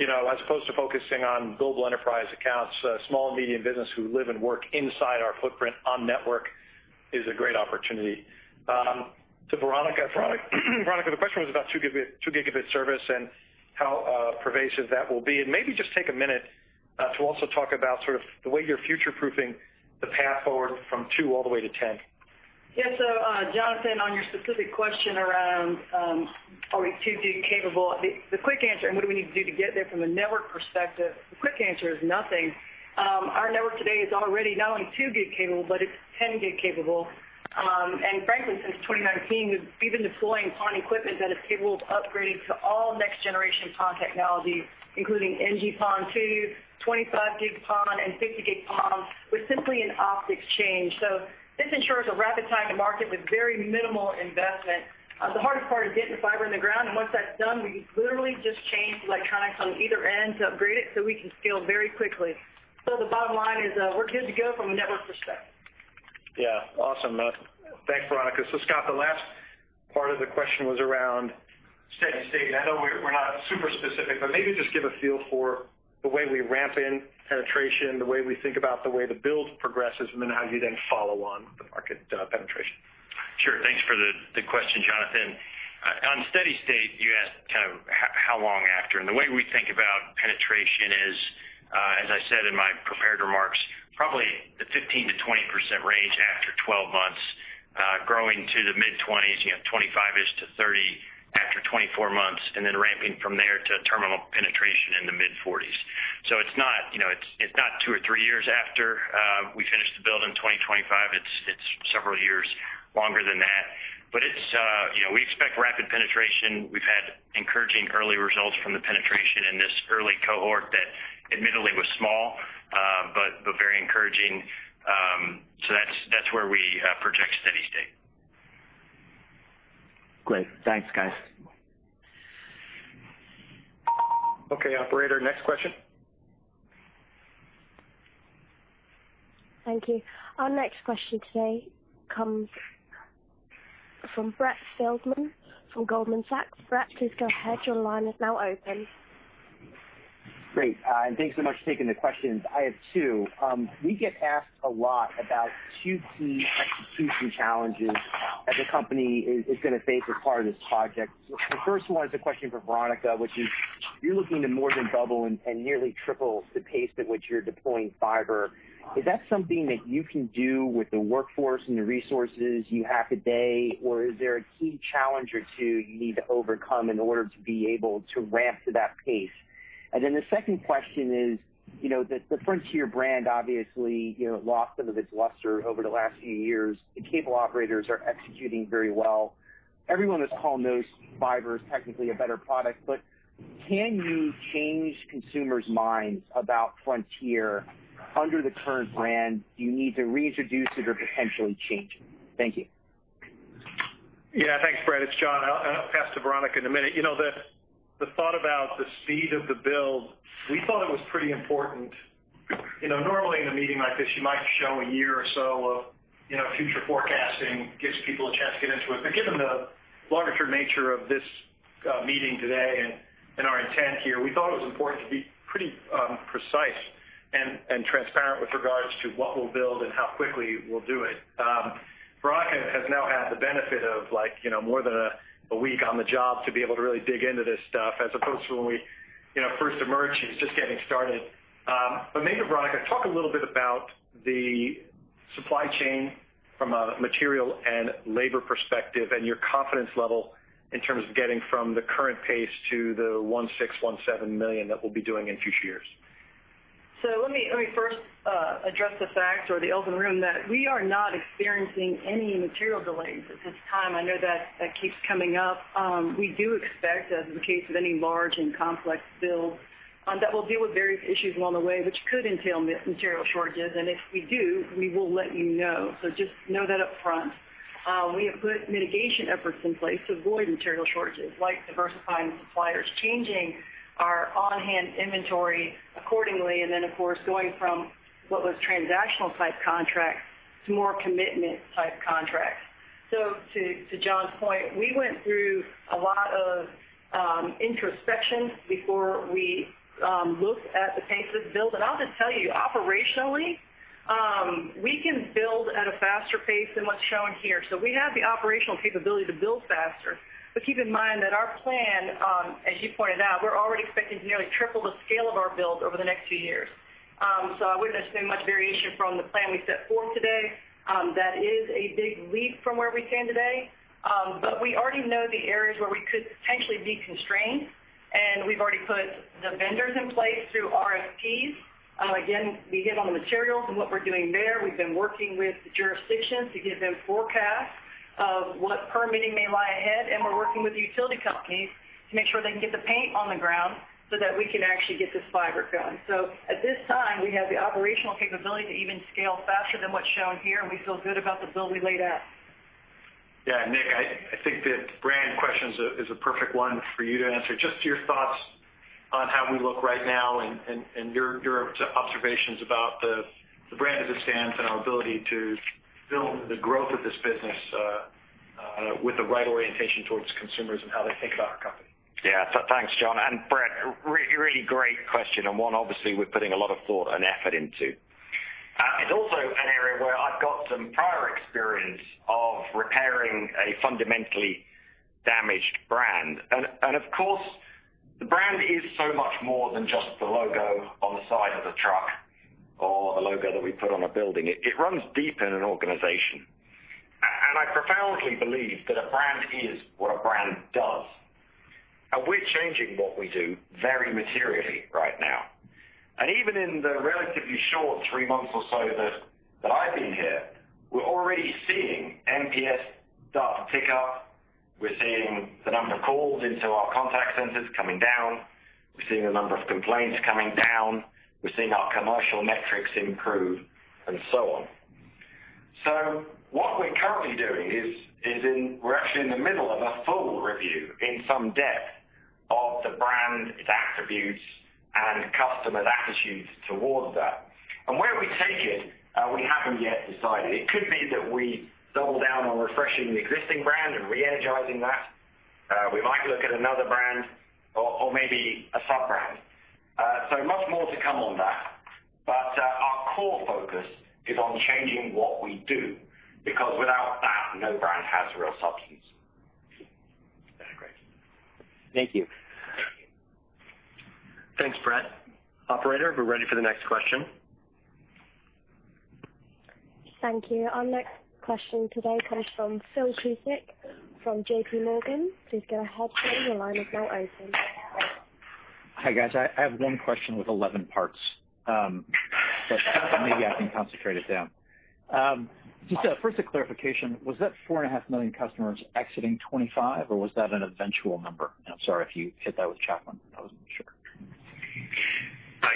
As opposed to focusing on global enterprise accounts, small and medium business who live and work inside our footprint on network is a great opportunity. To Veronica Bloodworth, the question was about 2 Gigabit service and how pervasive that will be, and maybe just take a minute to also talk about the way you're future-proofing the path forward from two all the way to 10. Yeah. Jonathan, on your specific question around, are we 2 gig capable? The quick answer, and what do we need to do to get there from a network perspective, the quick answer is nothing. Our network today is already not only 2 gig capable, but it's 10 gig capable. Frankly, since 2019, we've been deploying PON equipment that is capable of upgrading to all next generation PON technology, including NG-PON2, 25 gig PON, and 50G PON with simply an optics change. This ensures a rapid time to market with very minimal investment. The hardest part is getting the fiber in the ground, and once that's done, we literally just change the electronics on either end to upgrade it so we can scale very quickly. The bottom line is, we're good to go from a network perspective. Yeah. Awesome. Thanks, Veronica. Scott, the last part of the question was around steady state, and I know we're not super specific, but maybe just give a feel for the way we ramp in penetration, the way we think about the way the build progresses, and then how you then follow on the market penetration. Sure. Thanks for the question, Jonathan. On steady state, you asked kind of how long after, and the way we think about penetration is, as I said in my prepared remarks, probably the 15%-20% range after 12 months, growing to the mid-20s, 25-ish to 30 after 24 months, and then ramping from there to terminal penetration in the mid 40s. It's not two or three years after we finish the build in 2025. It's several years longer than that. We expect rapid penetration. We've had encouraging early results from the penetration in this early cohort that admittedly was small, but very encouraging. That's where we project steady state. Great. Thanks, guys. Okay, operator, next question. Thank you. Our next question today comes from Brett Feldman from Goldman Sachs. Brett, please go ahead. Thanks so much for taking the questions. I have two. We get asked a lot about 2P execution challenges that the company is going to face as part of this project. The first one is a question for Veronica, which is, you're looking to more than double and nearly triple the pace at which you're deploying fiber. Is that something that you can do with the workforce and the resources you have today, or is there a key challenge or two you need to overcome in order to be able to ramp to that pace? The second question is, the Frontier brand, obviously, lost some of its luster over the last few years. The cable operators are executing very well. Everyone on this call knows fiber is technically a better product, can you change consumers' minds about Frontier under the current brand? Do you need to reintroduce it or potentially change it? Thank you. Yeah. Thanks, Brett, it's John. I'll pass to Veronica in a minute. The thought about the speed of the build, we thought it was pretty important. Normally in a meeting like this, you might show a year or so of future forecasting, gives people a chance to get into it. Given the longer-term nature of this meeting today and our intent here, we thought it was important to be pretty precise and transparent with regards to what we'll build and how quickly we'll do it. Veronica has now had the benefit of more than a week on the job to be able to really dig into this stuff, as opposed to when we first emerged, she was just getting started. Maybe, Veronica, talk a little bit about the supply chain from a material and labor perspective and your confidence level in terms of getting from the current pace to the 1.6 million, 1.7 million that we'll be doing in future years. Let me first address the fact or the elephant in the room that we are not experiencing any material delays at this time. I know that keeps coming up. We do expect, as is the case with any large and complex build, that we'll deal with various issues along the way, which could entail material shortages, and if we do, we will let you know. Just know that up front. We have put mitigation efforts in place to avoid material shortages, like diversifying suppliers, changing our on-hand inventory accordingly, and then, of course, going from what was transactional type contracts to more commitment type contracts. To John's point, we went through a lot of introspection before we looked at the pace of the build. I'll just tell you, operationally, we can build at a faster pace than what's shown here. We have the operational capability to build faster. Keep in mind that our plan, as you pointed out, we're already expecting to nearly triple the scale of our build over the next few years. I wouldn't expect much variation from the plan we set forth today. That is a big leap from where we stand today. We already know the areas where we could potentially be constrained, and we've already put the vendors in place through RFPs. Again, we hit on the materials and what we're doing there. We've been working with the jurisdictions to give them forecasts of what permitting may lie ahead, and we're working with utility companies to make sure they can get the paint on the ground so that we can actually get this fiber going. At this time, we have the operational capability to even scale faster than what's shown here, and we feel good about the build we laid out. Yeah. Nick, I think the brand question is a perfect one for you to answer. Just your thoughts on how we look right now and your observations about the brand as it stands and our ability to build the growth of this business with the right orientation towards consumers and how they think about our company. Yeah. Thanks, John, and Brett, really great question, and one obviously we're putting a lot of thought and effort into. It's also an area where I've got some prior experience of repairing a fundamentally damaged brand. Of course, the brand is so much more than just the logo on the side of the truck or the logo that we put on a building. It runs deeper in an organization. I profoundly believe that a brand is what a brand does. We're changing what we do very materially right now. Even in the relatively short three months or so that I've been here, we're already seeing NPS start to tick up. We're seeing the number of calls into our contact centers coming down. We're seeing the number of complaints coming down. We're seeing our commercial metrics improve and so on. What we're currently doing is we're actually in the middle of a full review in some depth of the brand, its attributes, and customers' attitudes towards that. Where we take it, we haven't yet decided. It could be that we double down on refreshing the existing brand and re-energizing that. We might look at another brand or maybe a sub-brand. Much more to come on that. Our core focus is on changing what we do, because without that, no brand has real substance. That's great. Thank you. Thanks, Brett. Operator, we're ready for the next question. Thank you. Our next question today comes from Phil Cusick from JPMorgan. Please go ahead, Phil. Your line is now open. Hi, guys. I have one question with 11 parts. Maybe I can concentrate it down. Just first a clarification, was that 4.5 million customers exiting 2025 or was that an eventual number? I'm sorry if you hit that with Chaplin. I wasn't sure.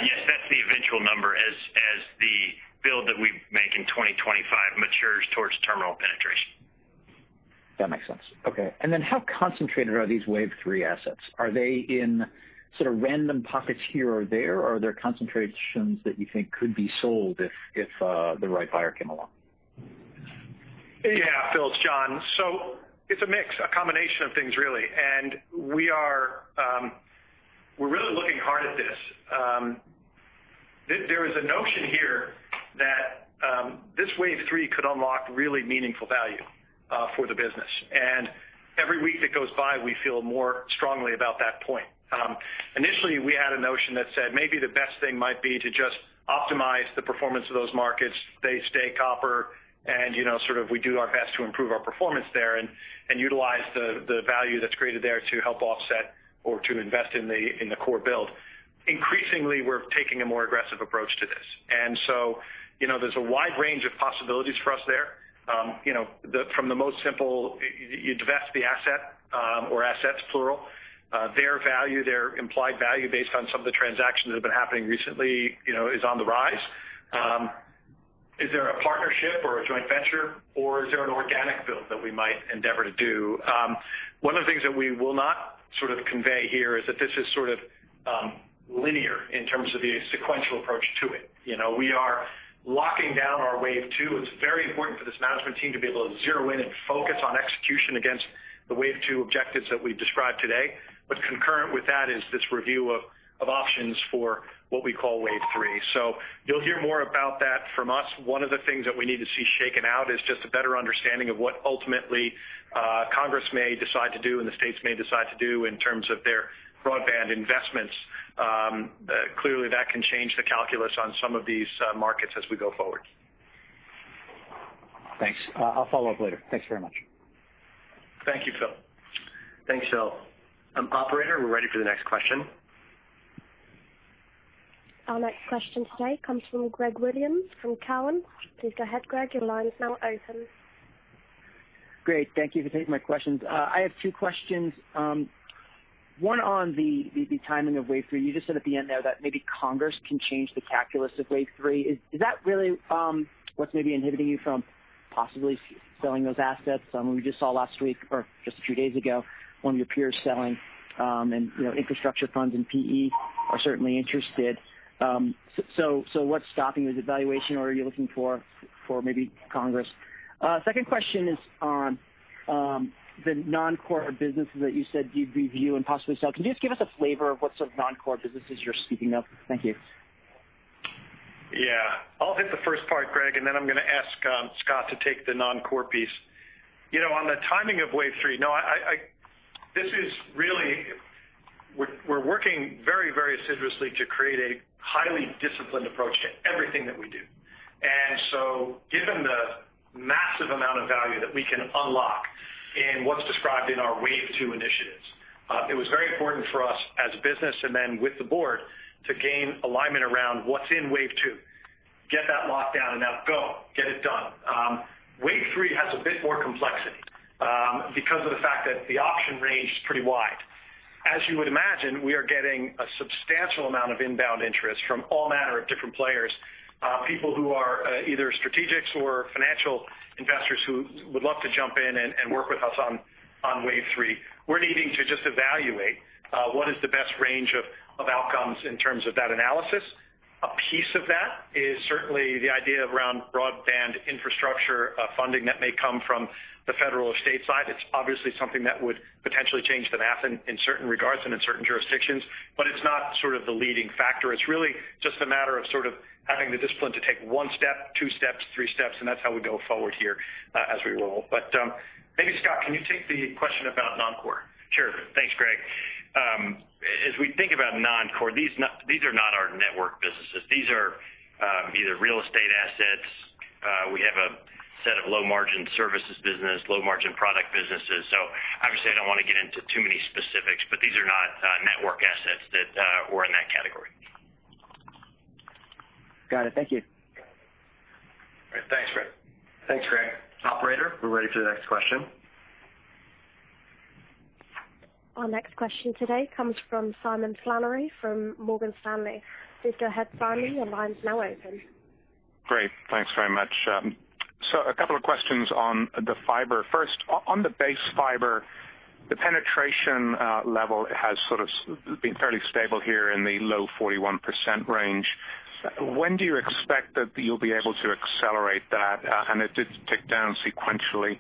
Yes, that's the eventual number as the build that we make in 2025 matures towards terminal penetration. That makes sense. Okay. How concentrated are these Wave 3 assets? Are they in sort of random pockets here or there, or are there concentrations that you think could be sold if the right buyer came along? Yeah, Phil, it's John. It's a mix, a combination of things, really. We're really looking hard at this. There is a notion here that this Wave 3 could unlock really meaningful value for the business. Every week that goes by, we feel more strongly about that point. Initially, we had a notion that said maybe the best thing might be to just optimize the performance of those markets. They stay copper and sort of we do our best to improve our performance there and utilize the value that's created there to help offset or to invest in the core build. Increasingly, we're taking a more aggressive approach to this. There's a wide range of possibilities for us there. From the most simple, you divest the asset or assets, plural. Their value, their implied value based on some of the transactions that have been happening recently is on the rise. Is there a partnership or a joint venture or is there an organic build that we might endeavor to do? One of the things that we will not sort of convey here is that this is sort of linear in terms of the sequential approach to it. We are locking down our Wave 2. It's very important for this management team to be able to zero in and focus on execution against the Wave 2 objectives that we've described today. Concurrent with that is this review of options for what we call Wave 3. You'll hear more about that from us. One of the things that we need to see shaken out is just a better understanding of what ultimately Congress may decide to do and the states may decide to do in terms of their broadband investments. Clearly, that can change the calculus on some of these markets as we go forward. Thanks. I'll follow up later. Thanks very much. Thank you, Phil. Thanks, Phil. Operator, we're ready for the next question. Our next question today comes from Greg Williams from Cowen. Please go ahead, Greg. Your line is now open. Great. Thank you for taking my questions. I have two questions. One on the timing of Wave 3. You just said at the end there that maybe Congress can change the calculus of Wave 3. Is that really what's maybe inhibiting you from possibly selling those assets? We just saw last week, or just a few days ago, one of your peers selling, and infrastructure funds and PE are certainly interested. What's stopping you? Is it valuation or are you looking for maybe Congress? Second question is on the non-core businesses that you said you'd review and possibly sell. Can you just give us a flavor of what sort of non-core businesses you're speaking of? Thank you. Yeah. I'll hit the first part, Greg Williams, and then I'm going to ask Scott Beasley to take the non-core piece. On the timing of Wave 3, we're working very assiduously to create a highly disciplined approach to everything that we do. Given the massive amount of value that we can unlock in what's described in our Wave 2 initiatives, it was very important for us as a business and then with the board to gain alignment around what's in Wave 2, get that locked down and now go, get it done. Wave 3 has a bit more complexity because of the fact that the option range is pretty wide. As you would imagine, we are getting a substantial amount of inbound interest from all manner of different players, people who are either strategics or financial investors who would love to jump in and work with us on Wave 3. We're needing to just evaluate what is the best range of outcomes in terms of that analysis. A piece of that is certainly the idea around broadband infrastructure funding that may come from the federal or state side. It's obviously something that would potentially change the math in certain regards and in certain jurisdictions, but it's not the leading factor. It's really just a matter of having the discipline to take one step, two steps, three steps, and that's how we go forward here as we roll. Maybe, Scott, can you take the question about non-core? Sure. Thanks, Greg. As we think about non-core, these are not our network businesses. These are either real estate assets. We have a set of low-margin services business, low-margin product businesses. Obviously, I don't want to get into too many specifics, but these are not network assets that were in that category. Got it. Thank you. All right. Thanks, Greg. Thanks, Greg. Operator, we're ready for the next question. Our next question today comes from Simon Flannery from Morgan Stanley. Please go ahead, Simon, your line's now open. Great. Thanks very much. A couple of questions on the fiber. First, on the base fiber, the penetration level has been fairly stable here in the low 41% range. When do you expect that you'll be able to accelerate that? It did tick down sequentially.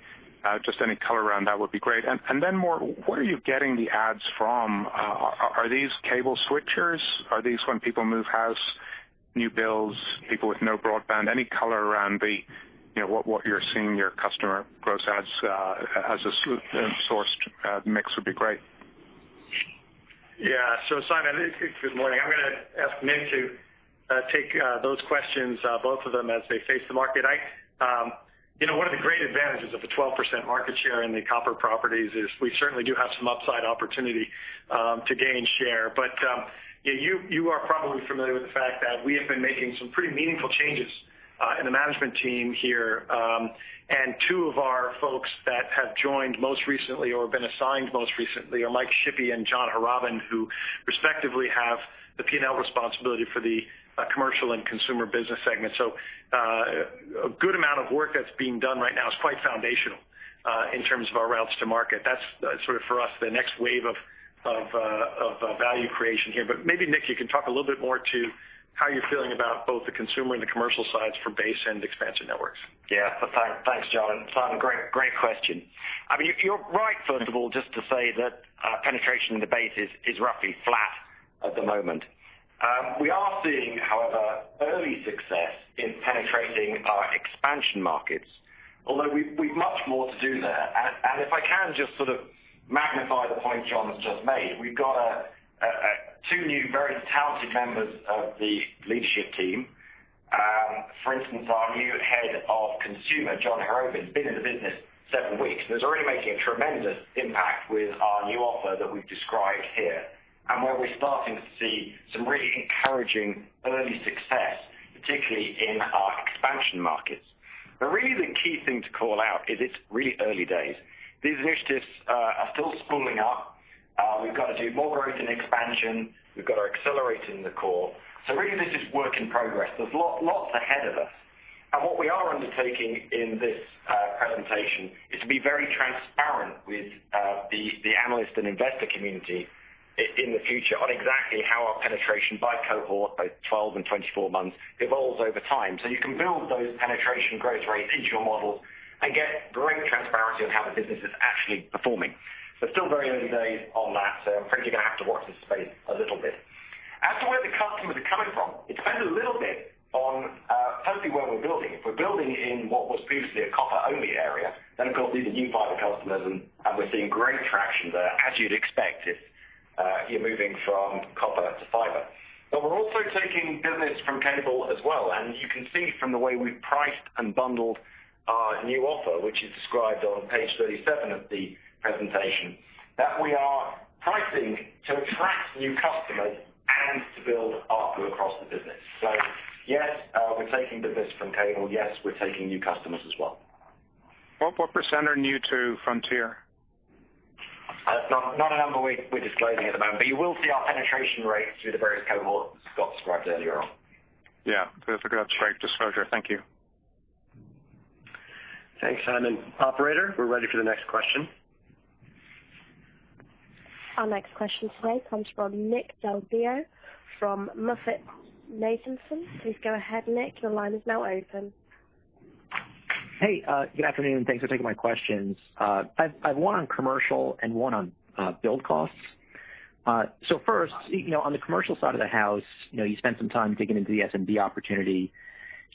Just any color around that would be great. More, where are you getting the adds from? Are these cable switchers? Are these when people move house, new builds, people with no broadband? Any color around what you're seeing your customer gross adds as a sourced mix would be great. Simon, good morning. I'm going to ask Nick to take those questions, both of them as they face the market. One of the great advantages of a 12% market share in the copper properties is we certainly do have some upside opportunity to gain share. You are probably familiar with the fact that we have been making some pretty meaningful changes in the management team here. Two of our folks that have joined most recently or been assigned most recently are Mike Shippey and John Harrobin, who respectively have the P&L responsibility for the commercial and consumer business segment. A good amount of work that's being done right now is quite foundational in terms of our routes to market. That's, for us, the next wave of value creation here. Maybe, Nick, you can talk a little bit more to how you're feeling about both the consumer and the commercial sides for base and expansion networks. Yeah. Thanks, John. Simon, great question. You're right, first of all, just to say that penetration in the base is roughly flat at the moment. We are seeing, however, early success in penetrating our expansion markets, although we've much more to do there. If I can just magnify the point John's just made. We've got two new very talented members of the leadership team. For instance, our new head of consumer, John Harrobin, has been in the business seven weeks, and is already making a tremendous impact with our new offer that we've described here, and where we're starting to see some really encouraging early success, particularly in our expansion markets. Really the key thing to call out is it's really early days. These initiatives are still spooling up. We've got to do more growth and expansion. We've got to accelerate in the core. Really this is work in progress. There's lots ahead of us. What we are undertaking in this presentation is to be very transparent with the analyst and investor community in the future on exactly how our penetration by cohort, both 12 and 24 months, evolves over time. You can build those penetration growth rates into your models and get great transparency on how the business is actually performing. Still very early days on that, so I'm afraid you're going to have to watch this space a little bit. As to where the customers are coming from, it depends a little bit on firstly where we're building. If we're building in what was previously a copper-only area, then of course these are new fiber customers, and we're seeing great traction there, as you'd expect if you're moving from copper to fiber. We're also taking business from cable as well, and you can see from the way we've priced and bundled our new offer, which is described on page 37 of the presentation, that we are pricing to attract new customers and to build ARPU across the business. Yes, we're taking business from cable. Yes, we're taking new customers as well. What % are new to Frontier? Not a number we're disclosing at the moment, but you will see our penetration rates through the various cohorts Scott described earlier on. Yeah. That's a great disclosure. Thank you. Thanks, Simon. Operator, we're ready for the next question. Our next question today comes from Nick Del Deo from MoffettNathanson. Please go ahead, Nick. Hey, good afternoon, and thanks for taking my questions. I have one on commercial and one on build costs. First, on the commercial side of the house, you spent some time digging into the SMB opportunity.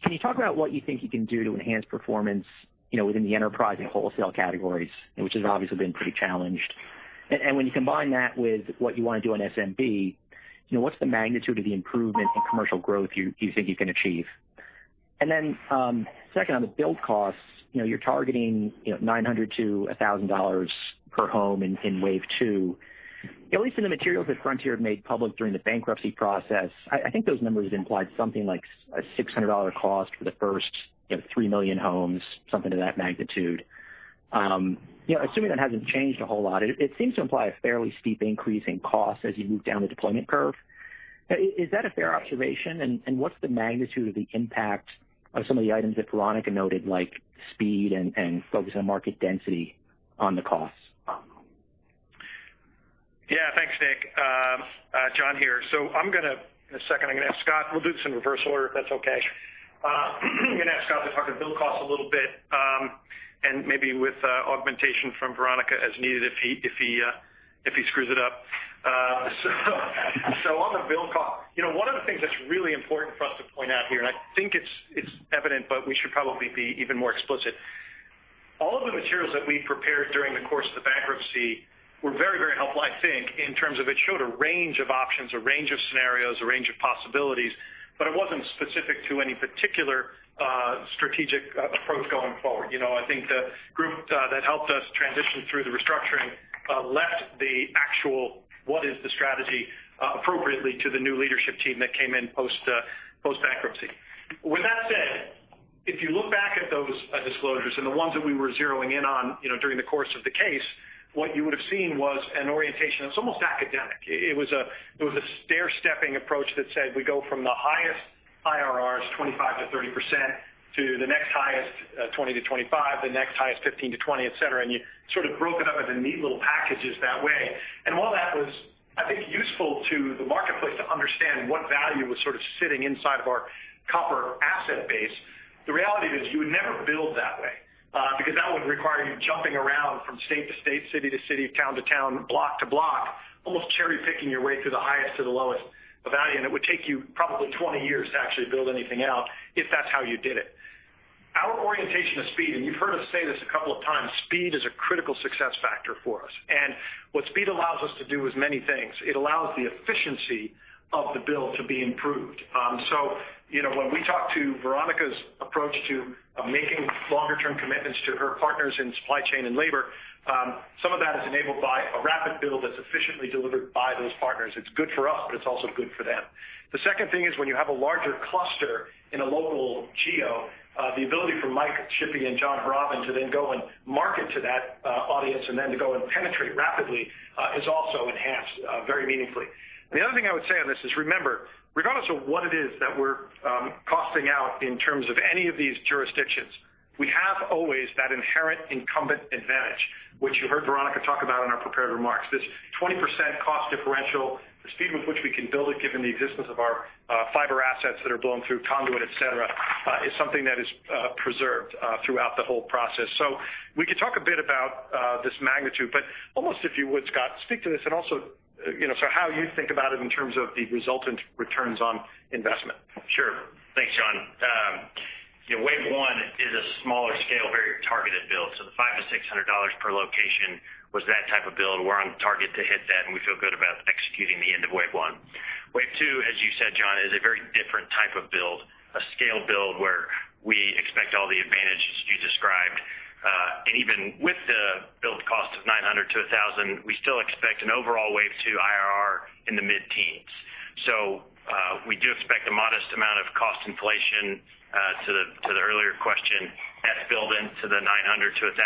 Can you talk about what you think you can do to enhance performance within the enterprise and wholesale categories, which has obviously been pretty challenged? When you combine that with what you want to do on SMB, what's the magnitude of the improvement in commercial growth you think you can achieve? Second, on the build costs, you're targeting $900-$1,000 per home in Wave 2. At least in the materials that Frontier had made public during the bankruptcy process, I think those numbers implied something like a $600 cost for the first 3 million homes, something to that magnitude. Assuming that hasn't changed a whole lot, it seems to imply a fairly steep increase in cost as you move down the deployment curve. Is that a fair observation? What's the magnitude of the impact of some of the items that Veronica noted, like speed and focus on market density on the costs? I'm going to, in a second, I'm going to ask Scott, we'll do this in reverse order, if that's okay. Sure. I'm going to ask Scott to talk to bill cost a little bit, and maybe with augmentation from Veronica as needed if he screws it up. On the bill cost, one of the things that's really important for us to point out here, and I think it's evident, but we should probably be even more explicit. All of the materials that we prepared during the course of the bankruptcy were very helpful, I think, in terms of it showed a range of options, a range of scenarios, a range of possibilities, but it wasn't specific to any particular strategic approach going forward. I think the group that helped us transition through the restructuring, left the actual what is the strategy appropriately to the new leadership team that came in post-bankruptcy. With that said, if you look back at those disclosures and the ones that we were zeroing in on during the course of the case, what you would have seen was an orientation that's almost academic. It was a stairstepping approach that said we go from the highest IRRs, 25%-30%, to the next highest, 20%-25%, the next highest 15%-20%, et cetera, and you sort of broke it up into neat little packages that way. While that was, I think, useful to the marketplace to understand what value was sort of sitting inside of our copper asset base, the reality is you would never build that way. That would require you jumping around from state to state, city to city, town to town, block to block, almost cherry-picking your way through the highest to the lowest of value, and it would take you probably 20 years to actually build anything out if that's how you did it. Our orientation to speed, you've heard us say this a couple of times, speed is a critical success factor for us. What speed allows us to do is many things. It allows the efficiency of the build to be improved. When we talk to Veronica's approach to making longer-term commitments to her partners in supply chain and labor, some of that is enabled by a rapid build that's efficiently delivered by those partners. It's good for us, but it's also good for them. The second thing is, when you have a larger cluster in a local geo, the ability for Mike Shippey and John Harrobin to go and market to that audience and to go and penetrate rapidly is also enhanced very meaningfully. The other thing I would say on this is, remember, regardless of what it is that we're costing out in terms of any of these jurisdictions, we have always that inherent incumbent advantage, which you heard Veronica talk about in our prepared remarks. This 20% cost differential, the speed with which we can build it given the existence of our fiber assets that are blown through conduit, et cetera, is something that is preserved throughout the whole process. We could talk a bit about this magnitude, but almost if you would, Scott, speak to this and also how you think about it in terms of the resultant returns on investment. Sure. Thanks, John. Wave 1 is a smaller scale, very targeted build. The $500-$600 per location was that type of build. We're on target to hit that, and we feel good about executing the end of Wave 1. Wave 2, as you said, John, is a very different type of build, a scale build where we expect all the advantages you described. Even with the build cost of $900-$1,000, we still expect an overall Wave 2 IRR in the mid-teens. We do expect a modest amount of cost inflation, to the earlier question, that's built into the $900-$1,000,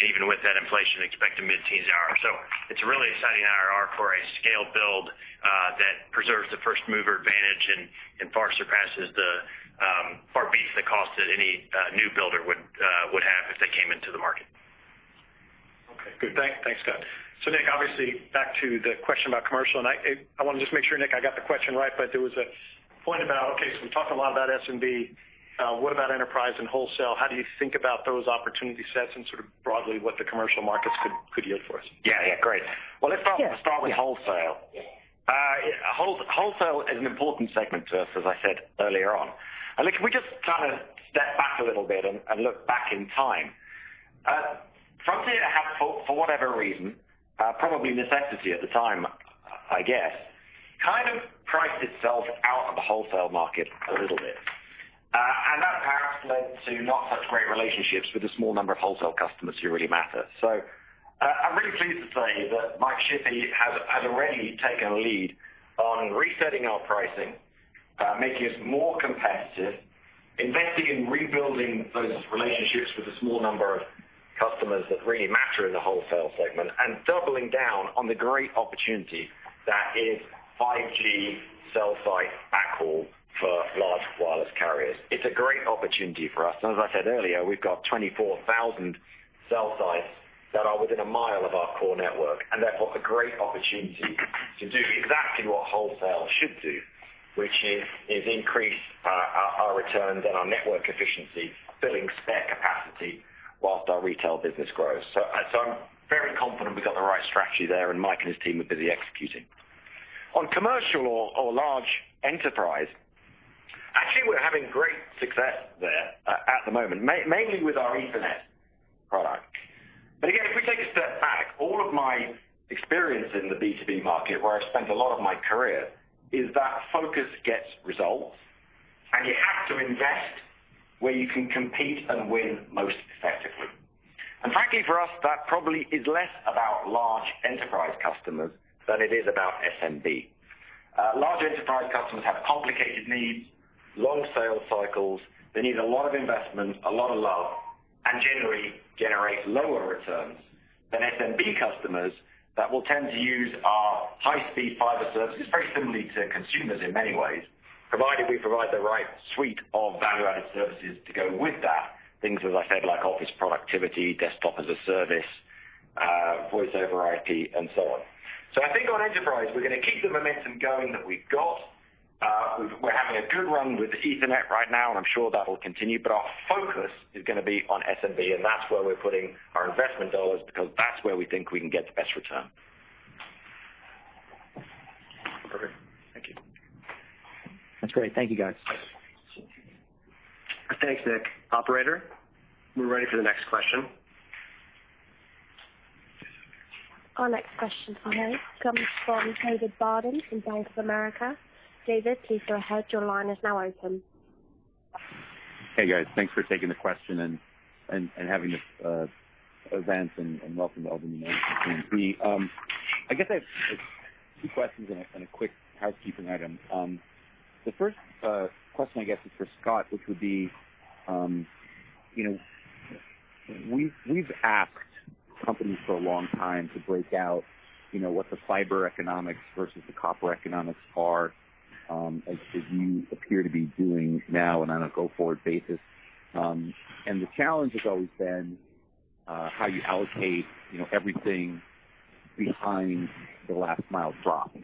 and even with that inflation, expect a mid-teens IRR. It's a really exciting IRR for a scaled build, that preserves the first-mover advantage and far beats the cost that any new builder would have if they came into the market. Okay, good thanks, Scott. Nick, obviously back to the question about commercial, and I want to just make sure, Nick, I got the question right, but there was a point about, okay, so we talked a lot about SMB. What about enterprise and wholesale? How do you think about those opportunity sets and sort of broadly what the commercial markets could yield for us? Yeah. Great. Well, let's start with wholesale. Wholesale is an important segment to us, as I said earlier on. Look, can we just kind of step back a little bit and look back in time? Frontier had, for whatever reason, probably necessity at the time, I guess, kind of priced itself out of the wholesale market a little bit. That perhaps led to not such great relationships with a small number of wholesale customers who really matter. I'm really pleased to say that Mike Shippey has already taken a lead on resetting our pricing, making us more competitive, investing in rebuilding those relationships with a small number of customers that really matter in the wholesale segment, and doubling down on the great opportunity that is 5G cell site backhaul for large wireless carriers. It's a great opportunity for us, and as I said earlier, we've got 24,000 cell sites that are within a mile of our core network, and therefore a great opportunity to do exactly what wholesale should do, which is increase our returns and our network efficiency, filling spare capacity while our retail business grows. I'm very confident we've got the right strategy there, and Mike and his team are busy executing. On commercial or large enterprise, actually, we're having great success there at the moment, mainly with our Ethernet product. Again, if we take a step back, all of my experience in the B2B market, where I've spent a lot of my career, is that focus gets results, and you have to invest where you can compete and win most effectively. Frankly, for us, that probably is less about large enterprise customers than it is about SMB. Large enterprise customers have complicated needs, long sales cycles. They need a lot of investment, a lot of love, and generally generate lower returns than SMB customers that will tend to use our high-speed fiber services, very similarly to consumers in many ways, provided we provide the right suite of value-added services to go with that. Things as I said, like office productivity, desktop as a service, Voice over IP, and so on. I think on enterprise, we're going to keep the momentum going that we've got. We're having a good run with Ethernet right now. I'm sure that will continue. Our focus is going to be on SMB. That's where we're putting our investment dollars because that's where we think we can get the best return. Perfect. Thank you. That's great. Thank you, guys. Thanks, Nick. Operator, we're ready for the next question. Our next question comes from David Barden in Bank of America. David, please go ahead, your line is now open. Hey, guys. Thanks for taking the question and having this event, welcome to all the new management team. I guess I have two questions and a quick housekeeping item. The first question, I guess, is for Scott Beasley, which would be, we've asked companies for a long time to break out what the fiber economics versus the copper economics are as you appear to be doing now and on a go-forward basis. The challenge has always been how you allocate everything behind the last mile drop.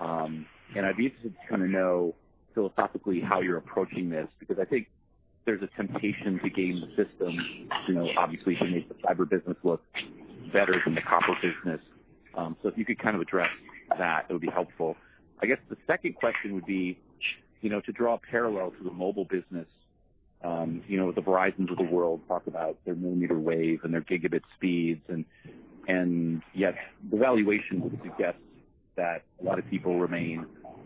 I'd be interested to know philosophically how you're approaching this, because I think there's a temptation to game the system, obviously, to make the fiber business look better than the copper business. If you could address that, it would be helpful. I guess the second question would be to draw a parallel to the mobile business. The Verizon of the world talk about their millimeter wave and their gigabit speeds, yet the valuation would suggest that a lot of people remain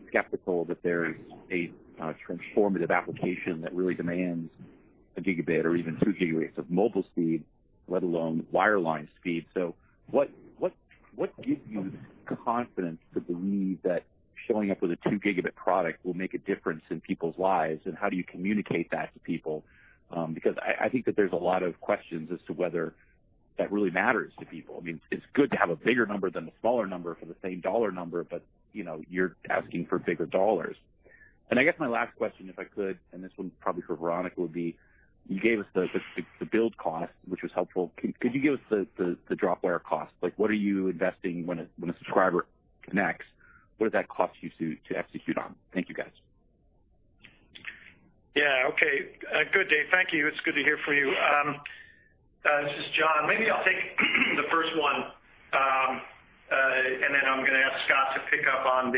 skeptical that there is a transformative application that really demands a gigabit or even 2 gigabits of mobile speed, let alone wireline speed. What gives you the confidence to believe that showing up with a 2 Gb product will make a difference in people's lives? How do you communicate that to people? I think that there's a lot of questions as to whether that really matters to people. It's good to have a bigger number than a smaller number for the same dollar number, but you're asking for bigger dollars. I guess my last question, if I could, and this one probably for Veronica, would be, you gave us the build cost, which was helpful. Could you give us the drop wire cost? What are you investing when a subscriber connects? What does that cost you to execute on? Thank you, guys. Yeah, okay. Good, Dave. Thank you, it's good to hear from you. This is John. Maybe I will take the first one and then I'm going to ask Scott to pick up on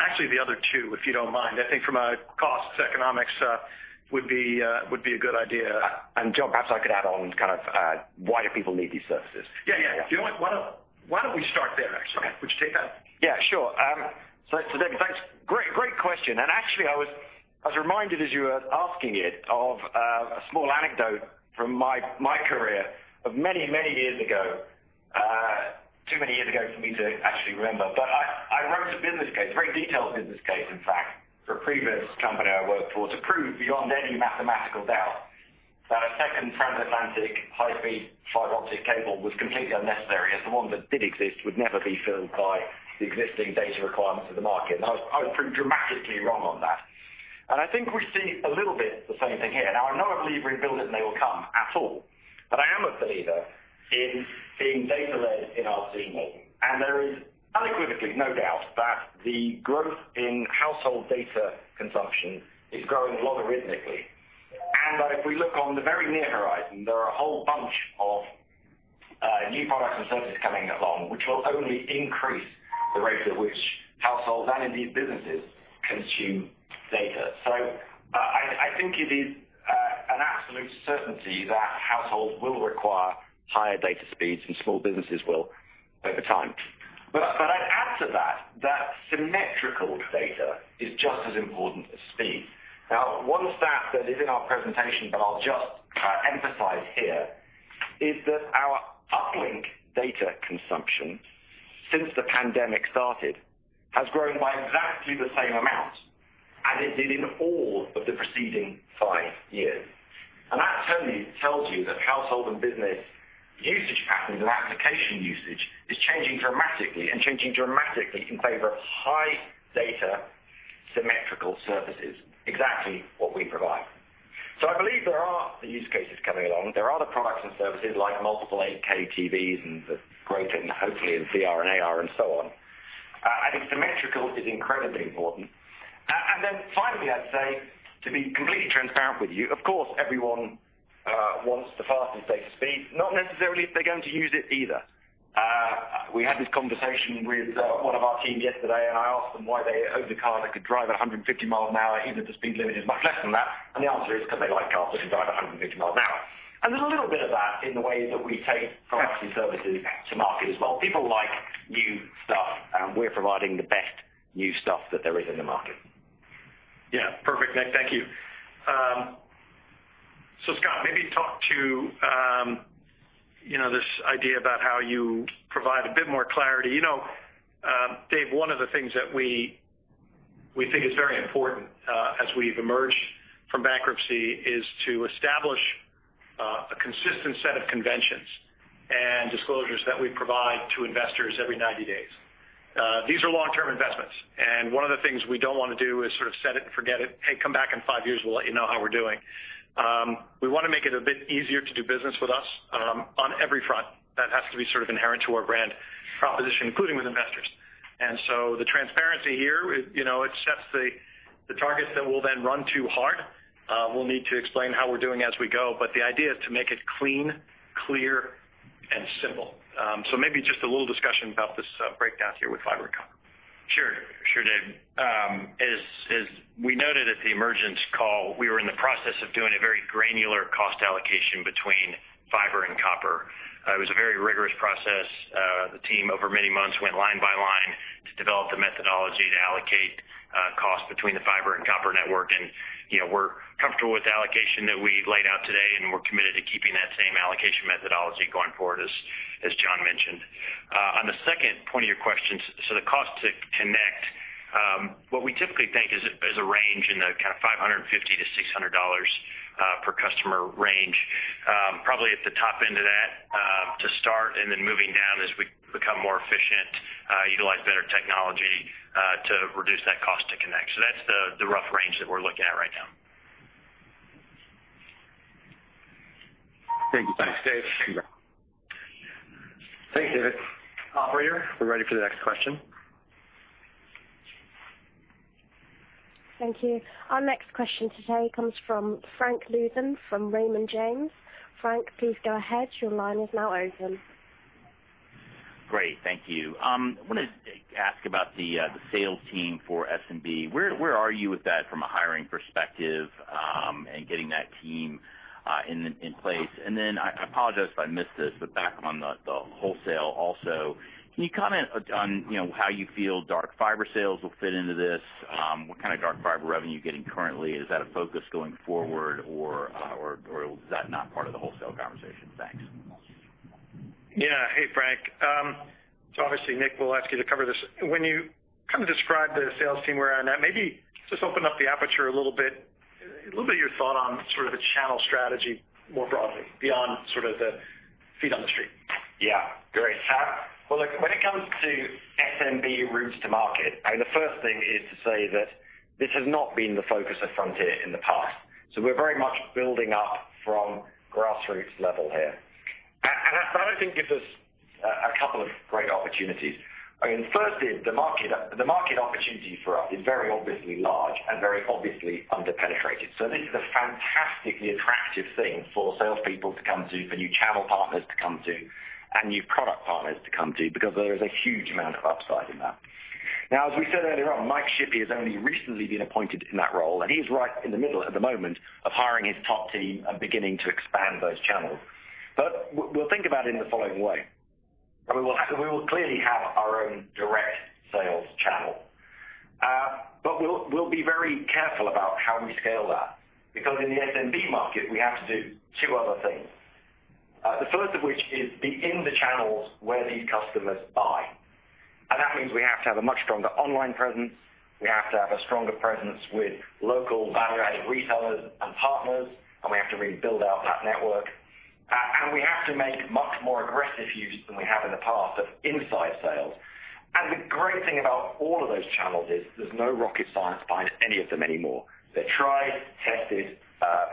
actually the other two, if you don't mind. I think from a cost economics would be a good idea. John, perhaps I could add on kind of why do people need these services? Yeah. Do you know what? Why don't we start there, actually. Okay. Would you take that? Yeah, sure. Dave, thanks, great question. Actually, I was reminded as you were asking it of a small anecdote from my career of many years ago, too many years ago for me to actually remember. I wrote a business case, very detailed business case, in fact, for a previous company I worked for to prove beyond any mathematical doubt that a second transatlantic high-speed fiber optic cable was completely unnecessary, as the one that did exist would never be filled by the existing data requirements of the market. I was proved dramatically wrong on that. I think we see a little bit the same thing here. Now, I'm not a believer in build it and they will come at all. I am a believer in being data-led in our thinking. There is unequivocally no doubt that the growth in household data consumption is growing logarithmically. If we look on the very near horizon, there are a whole bunch of new products and services coming along which will only increase the rate at which households and indeed businesses consume data. I think it is an absolute certainty that households will require higher data speeds, and small businesses will over time. I'd add to that symmetrical data is just as important as speed. One stat that is in our presentation, but I'll just emphasize here, is that our uplink data consumption since the pandemic started has grown by exactly the same amount as it did in all of the preceding five years. That tells you that household and business usage patterns and application usage is changing dramatically and changing dramatically in favor of high data symmetrical services, exactly what we provide. I believe there are the use cases coming along. There are the products and services like multiple 8K TVs and the great thing, hopefully, in VR and AR and so on. I think symmetrical is incredibly important. Finally, I'd say to be completely transparent with you, of course, everyone wants the fastest data speed, not necessarily if they're going to use it either. We had this conversation with one of our teams yesterday, and I asked them why they owned a car that could drive 150 miles an hour, even if the speed limit is much less than that. The answer is because they like cars that can drive 150 miles an hour. There's a little bit of that in the way that we take products and services to market as well. People like new stuff, and we're providing the best new stuff that there is in the market. Perfect, Nick thank you. Scott, maybe talk to this idea about how you provide a bit more clarity. Dave, one of the things that we think is very important as we've emerged from bankruptcy is to establish a consistent set of conventions and disclosures that we provide to investors every 90 days. These are long-term investments, one of the things we don't want to do is set it and forget it. "Hey, come back in five years, we'll let you know how we're doing." We want to make it a bit easier to do business with us on every front. That has to be inherent to our brand proposition, including with investors. The transparency here, it sets the targets that we'll then run to hard. We'll need to explain how we're doing as we go, the idea is to make it clean, clear, and simple. Maybe just a little discussion about this breakdown here with fiber and copper. Sure, Dave. As we noted at the Emergence call, we were in the process of doing a very granular cost allocation between fiber and copper. It was a very rigorous process. The team, over many months, went line by line to develop the methodology to allocate cost between the fiber and copper network. We're comfortable with the allocation that we laid out today, and we're committed to keeping that same allocation methodology going forward, as John mentioned. On the second point of your questions, so the cost to connect, what we typically think is a range in the $550-$600 per customer range. Probably at the top end of that to start, and then moving down as we become more efficient, utilize better technology to reduce that cost to connect. That's the rough range that we're looking at right now. Thank you. Thanks, Dave. Thanks, David. Operator, we're ready for the next question. Thank you. Our next question today comes from Frank Louthan from Raymond James. Frank, please go ahead. Great, thank you. I wanted to ask about the sales team for SMB. Where are you with that from a hiring perspective and getting that team in place? I apologize if I missed this, but back on the wholesale also, can you comment on how you feel dark fiber sales will fit into this? What kind of dark fiber revenue you're getting currently? Is that a focus going forward or is that not part of the wholesale conversation? Thanks. Yeah. Hey, Frank. Obviously, Nick, we'll ask you to cover this. When you describe the sales team around that, maybe just open up the aperture a little bit, a little bit of your thought on a channel strategy more broadly beyond the feet on the street? Yeah. Great. Well, look, when it comes to SMB routes to market, the first thing is to say that this has not been the focus of Frontier in the past. We're very much building up from grassroots level here. That, I think, gives us a couple of great opportunities. Firstly, the market opportunity for us is very obviously large and very obviously under-penetrated. This is a fantastically attractive thing for salespeople to come to, for new channel partners to come to, and new product partners to come to, because there is a huge amount of upside in that. Now, as we said earlier on, Mike Shippey has only recently been appointed in that role, and he's right in the middle at the moment of hiring his top team and beginning to expand those channels. We'll think about it in the following way. We will clearly have our own direct sales channel. We'll be very careful about how we scale that, because in the SMB market, we have to do two other things. The first of which is be in the channels where these customers buy. That means we have to have a much stronger online presence. We have to have a stronger presence with local value-added retailers and partners, and we have to really build out that network. We have to make much more aggressive use than we have in the past of inside sales. The great thing about all of those channels is there's no rocket science behind any of them anymore. They're tried, tested.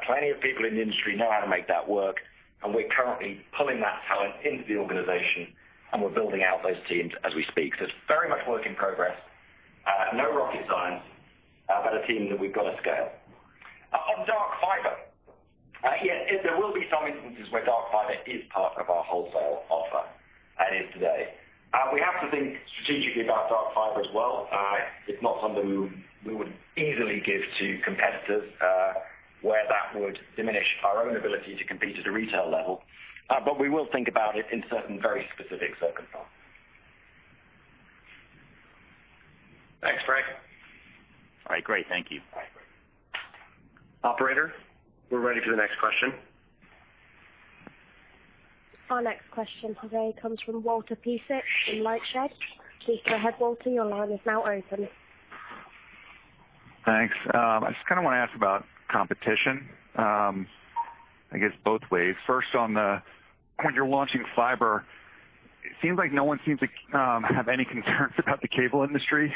Plenty of people in the industry know how to make that work, and we're currently pulling that talent into the organization, and we're building out those teams as we speak. It's very much work in progress. No rocket science, but a team that we've got to scale. On dark fiber. Yeah, there will be some instances where dark fiber is part of our wholesale offer and is today. We have to think strategically about dark fiber as well. It's not something we would easily give to competitors, where that would diminish our own ability to compete at a retail level. We will think about it in certain very specific circumstances. Thanks, Frank. All right, great. Thank you. Bye. Operator, we're ready for the next question. Our next question today comes from Walter Piecyk from LightShed Partners. Please go ahead, Walter, your line is now open. Thanks. I just want to ask about competition. I guess both ways. First, on the point you're launching fiber, it seems like no one seems to have any concerns about the cable industry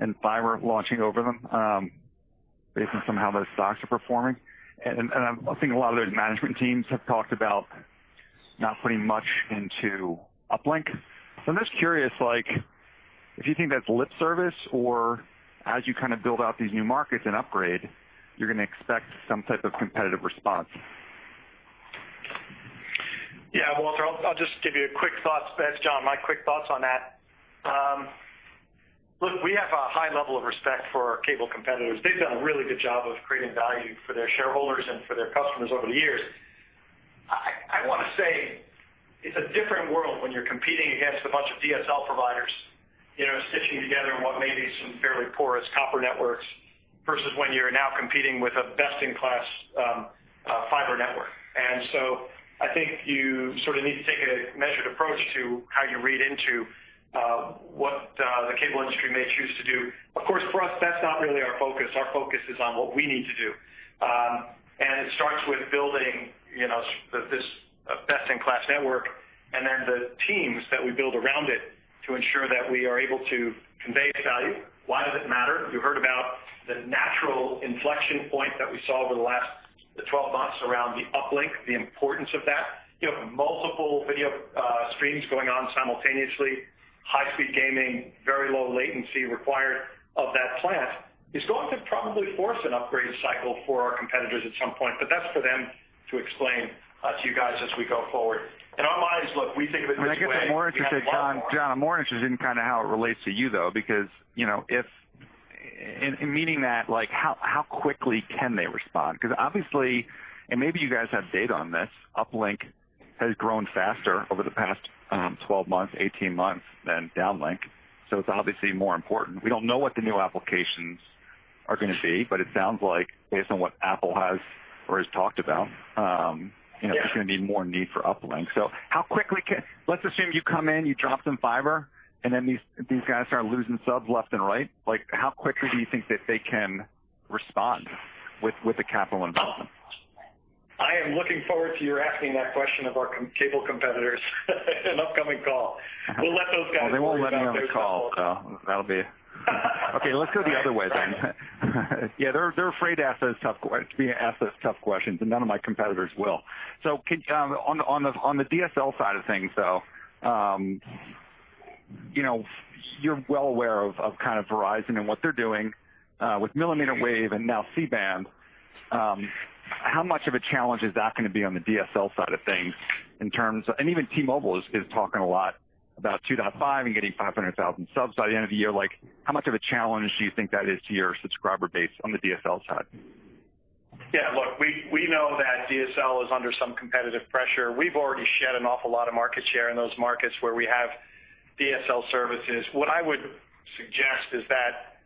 and fiber launching over them, based on somehow those stocks are performing. I think a lot of those management teams have talked about not putting much into uplink. I'm just curious, if you think that's lip service or as you build out these new markets and upgrade, you're going to expect some type of competitive response? Walter, I'll just give you a quick thought. That's John, my quick thoughts on that. Look, we have a high level of respect for our cable competitors. They've done a really good job of creating value for their shareholders and for their customers over the years. I want to say it's a different world when you're competing against a bunch of DSL providers stitching together what may be some fairly porous copper networks versus when you're now competing with a best-in-class fiber network. I think you need to take a measured approach to how you read into what the cable industry may choose to do. Of course, for us, that's not really our focus. Our focus is on what we need to do. It starts with building this best-in-class network and then the teams that we build around it. To ensure that we are able to convey its value. Why does it matter? You heard about the natural inflection point that we saw over the last 12 months around the uplink, the importance of that. You have multiple video streams going on simultaneously, high-speed gaming, very low latency required of that plant. It's going to probably force an upgrade cycle for our competitors at some point, but that's for them to explain to you guys as we go forward. In our minds, look, we think of it this way. We have a lot more. I guess I'm more interested, John, I'm more interested in how it relates to you, though, because in meaning that, how quickly can they respond? Obviously, and maybe you guys have data on this, uplink has grown faster over the past 12 months, 18 months than downlink, so it's obviously more important. We don't know what the new applications are going to be, but it sounds like based on what Apple has or has talked about. Yeah there's going to be more need for uplink. Let's assume you come in, you drop some fiber, and then these guys start losing subs left and right. How quickly do you think that they can respond with the capital investment? I am looking forward to your asking that question of our cable competitors in an upcoming call. We'll let those guys worry about. They won't let me on the call, so that'll be okay, let's go the other way then. Yeah, they're afraid to ask those tough questions, and none of my competitors will. On the DSL side of things, though, you're well aware of Verizon and what they're doing with millimeter wave and now C-band. How much of a challenge is that going to be on the DSL side of things, and even T-Mobile is talking a lot about 2.5 and getting 500,000 subs by the end of the year. How much of a challenge do you think that is to your subscriber base on the DSL side? Yeah look, we know that DSL is under some competitive pressure. We've already shed an awful lot of market share in those markets where we have DSL services. What I would suggest is that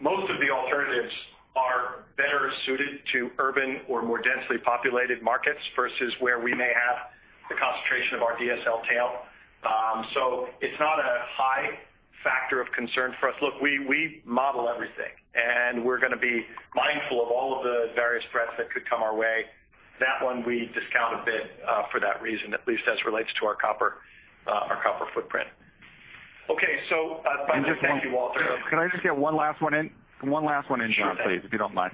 most of the alternatives are better suited to urban or more densely populated markets versus where we may have the concentration of our DSL tail. It's not a high factor of concern for us. Look, we model everything, and we're going to be mindful of all of the various threats that could come our way. That one, we discount a bit for that reason, at least as relates to our copper footprint. Okay. Finally, thank you, Walter- Can I just get one last one in, John, please? Sure thing. If you don't mind.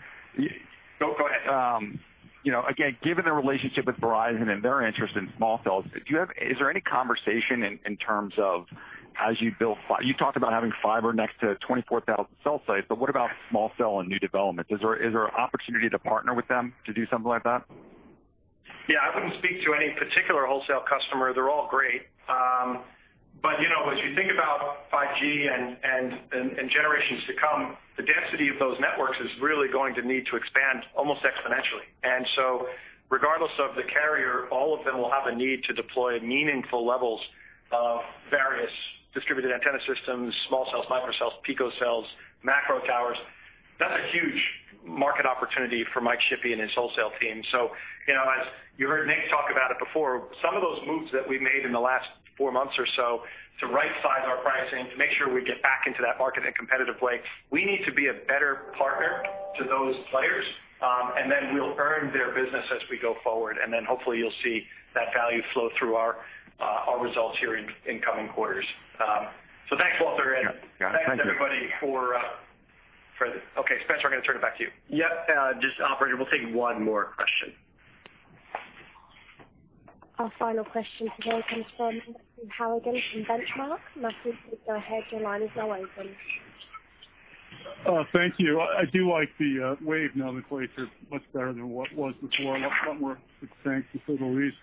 No, go ahead. Again, given the relationship with Verizon and their interest in small cells, is there any conversation in terms of as you build-- you talked about having fiber next to 24,000 cell sites, but what about small cell and new developments? Is there an opportunity to partner with them to do something like that? Yeah, I wouldn't speak to any particular wholesale customer, they're all great, but as you think about 5G and generations to come, the density of those networks is really going to need to expand almost exponentially. Regardless of the carrier, all of them will have a need to deploy meaningful levels of various distributed antenna systems, small cells, microcells, picocells, macro towers. That's a huge market opportunity for Mike Shippey and his wholesale team. As you heard Nick talk about it before, some of those moves that we made in the last four months or so to right-size our pricing, to make sure we get back into that market in a competitive way, we need to be a better partner to those players. We'll earn their business as we go forward, and then hopefully you'll see that value flow through our results here in coming quarters. Thanks, Walter. Yeah. Thank you. Thanks everybody. Okay, Spencer, I'm going to turn it back to you. Yep. Just operator, we'll take one more question. Our final question today comes from Matthew Harrigan from Benchmark. Matthew, you can go ahead. Thank you. I do like the Wave nomenclature much better than what was before. A lot more succinct, to say the least.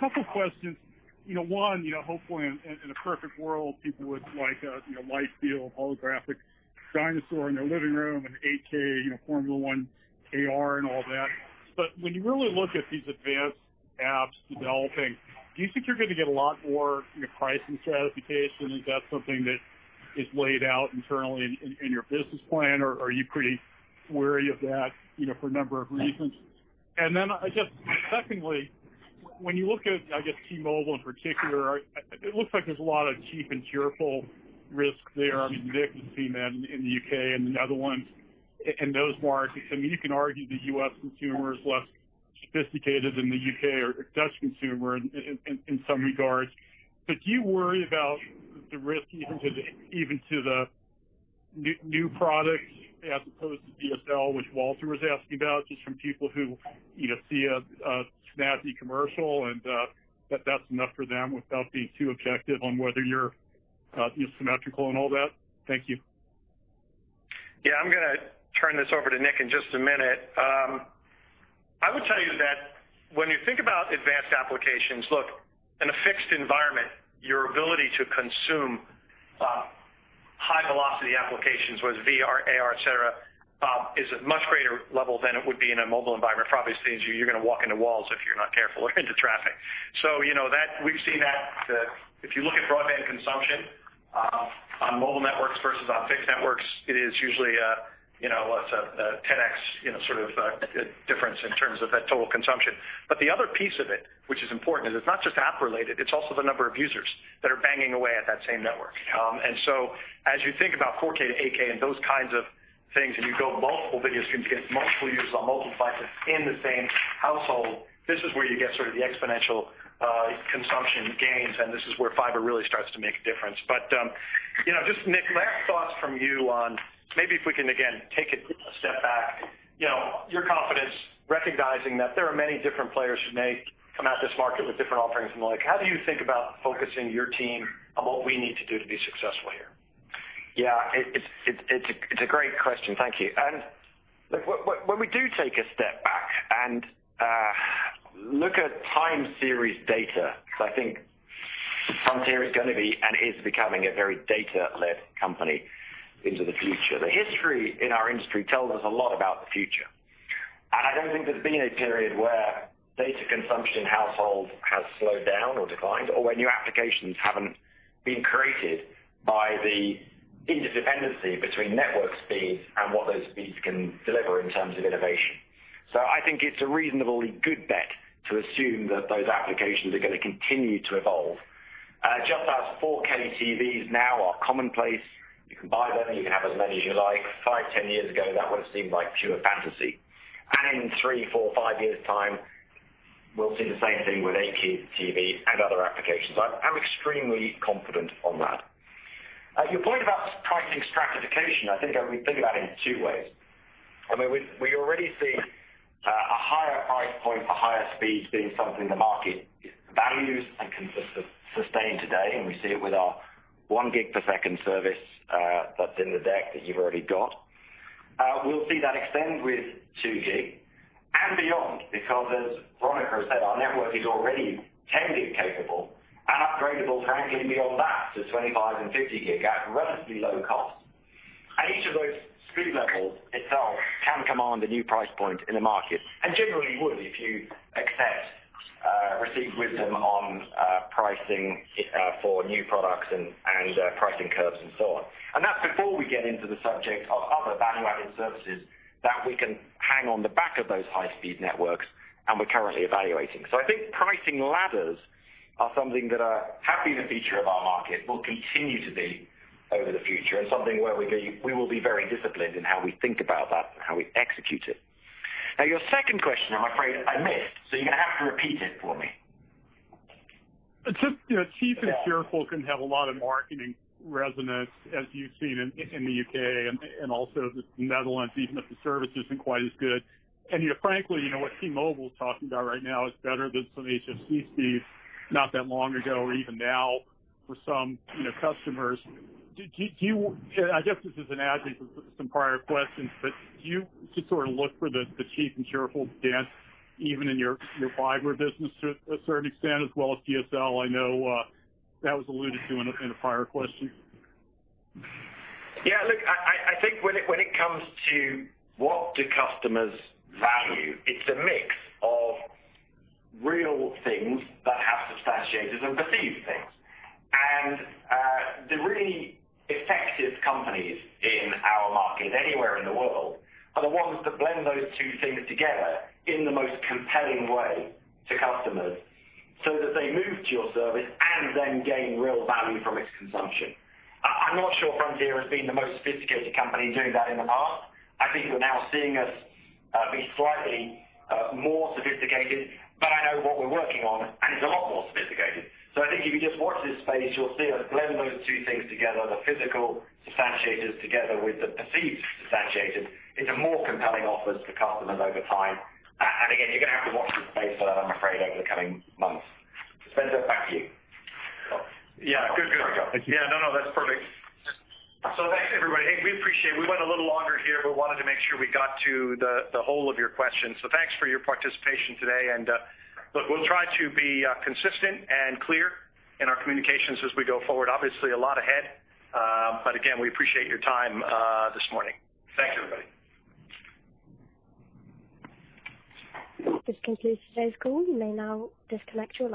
Couple questions. One, hopefully in a perfect world, people would like a lifelike, holographic dinosaur in their living room and 8K Formula One AR and all that. When you really look at these advanced apps developing, do you think you're going to get a lot more price insensitivity? Is that something that is laid out internally in your business plan, or are you pretty wary of that for a number of reasons? I guess secondly, when you look at, I guess T-Mobile in particular, it looks like there's a lot of cheap and cheerful risk there. I mean, Nick has seen that in the U.K. and the Netherlands in those markets. I mean, you can argue the U.S. consumer is less sophisticated than the U.K. or Dutch consumer in some regards. Do you worry about the risk even to the new products as opposed to DSL, which Walter was asking about, just from people who see a snappy commercial and that's enough for them without being too objective on whether you're symmetrical and all that? Thank you. Yeah, I'm going to turn this over to Nick in just a minute. I would tell you that when you think about advanced applications, look, in a fixed environment, your ability to consume high velocity applications, whether it's VR, AR, et cetera, is at much greater level than it would be in a mobile environment. It probably means you're going to walk into walls if you're not careful or into traffic. We've seen that. If you look at broadband consumption on mobile networks versus on fixed networks, it is usually a 10x sort of difference in terms of that total consumption. The other piece of it, which is important, is it's not just app-related, it's also the number of users that are banging away at that same network. As you think about 4K to 8K and those kinds of things, you go multiple videos, you can get multiple users on multiple devices in the same household. This is where you get sort of the exponential consumption gains, and this is where fiber really starts to make a difference. Just Nick, last thoughts from you on, maybe if we can again, take it a step back. Your confidence, recognizing that there are many different players who may come at this market with different offerings and the like, how do you think about focusing your team on what we need to do to be successful here? Yeah, it's a great question. Thank you. Look, when we do take a step back and look at time series data, because I think Frontier is going to be, and is becoming, a very data-led company into the future. The history in our industry tells us a lot about the future. I don't think there's been a period where data consumption in households has slowed down or declined, or where new applications haven't been created by the interdependency between network speeds and what those speeds can deliver in terms of innovation. I think it's a reasonably good bet to assume that those applications are going to continue to evolve. Just as 4K TVs now are commonplace, you can buy them, you can have as many as you like. Five, 10 years ago, that would've seemed like pure fantasy. In three, four, five years' time, we'll see the same thing with 8K TV and other applications. I'm extremely confident on that. Your point about pricing stratification, I mean, we think about it in two ways. I mean, we already see a higher price point for higher speeds being something the market values and can sustain today, and we see it with our 1 gig per second service that's in the deck that you've already got. We'll see that extend with 2 gig and beyond because, as Veronica Bloodworth said, our network is already 10 gig capable and upgradeable to frankly beyond that, to 25 gig and 50 gig at relatively low cost. Each of those speed levels itself can command a new price point in the market and generally would if you accept received wisdom on pricing for new products and pricing curves and so on. That's before we get into the subject of other value-added services that we can hang on the back of those high-speed networks and we're currently evaluating. I think pricing ladders are something that have been a feature of our market, will continue to be over the future and something where we will be very disciplined in how we think about that and how we execute it. Your second question, I'm afraid I missed, so you're going to have to repeat it for me. Just, cheap and cheerful can have a lot of marketing resonance, as you've seen in the U.K. and also the Netherlands, even if the service isn't quite as good. Frankly, what T-Mobile's talking about right now is better than some HFC speeds not that long ago or even now for some customers. I guess this is an adjunct of some prior questions, but do you sort of look for the cheap and cheerful dance even in your fiber business to a certain extent as well as DSL? I know that was alluded to in a prior question. Yeah, look, I think when it comes to what do customers value, it's a mix of real things that have substantiators and perceived things. The really effective companies in our market, anywhere in the world, are the ones that blend those two things together in the most compelling way to customers so that they move to your service and then gain real value from its consumption. I'm not sure Frontier has been the most sophisticated company doing that in the past. I think you're now seeing us be slightly more sophisticated, but I know what we're working on, and it's a lot more sophisticated. I think if you just watch this space, you'll see us blend those two things together, the physical substantiators together with the perceived substantiators into more compelling offers to customers over time. Again, you're going to have to watch this space for that, I'm afraid, over the coming months. Spencer, back to you. Yeah. Good. Sorry, go on. That's perfect. Thanks, everybody. Hey, we appreciate it, we went a little longer here, but wanted to make sure we got to the whole of your questions. Thanks for your participation today, and look, we'll try to be consistent and clear in our communications as we go forward. Obviously, a lot ahead but again, we appreciate your time this morning. Thank you, everybody. This concludes today's call. You may now disconnect your lines.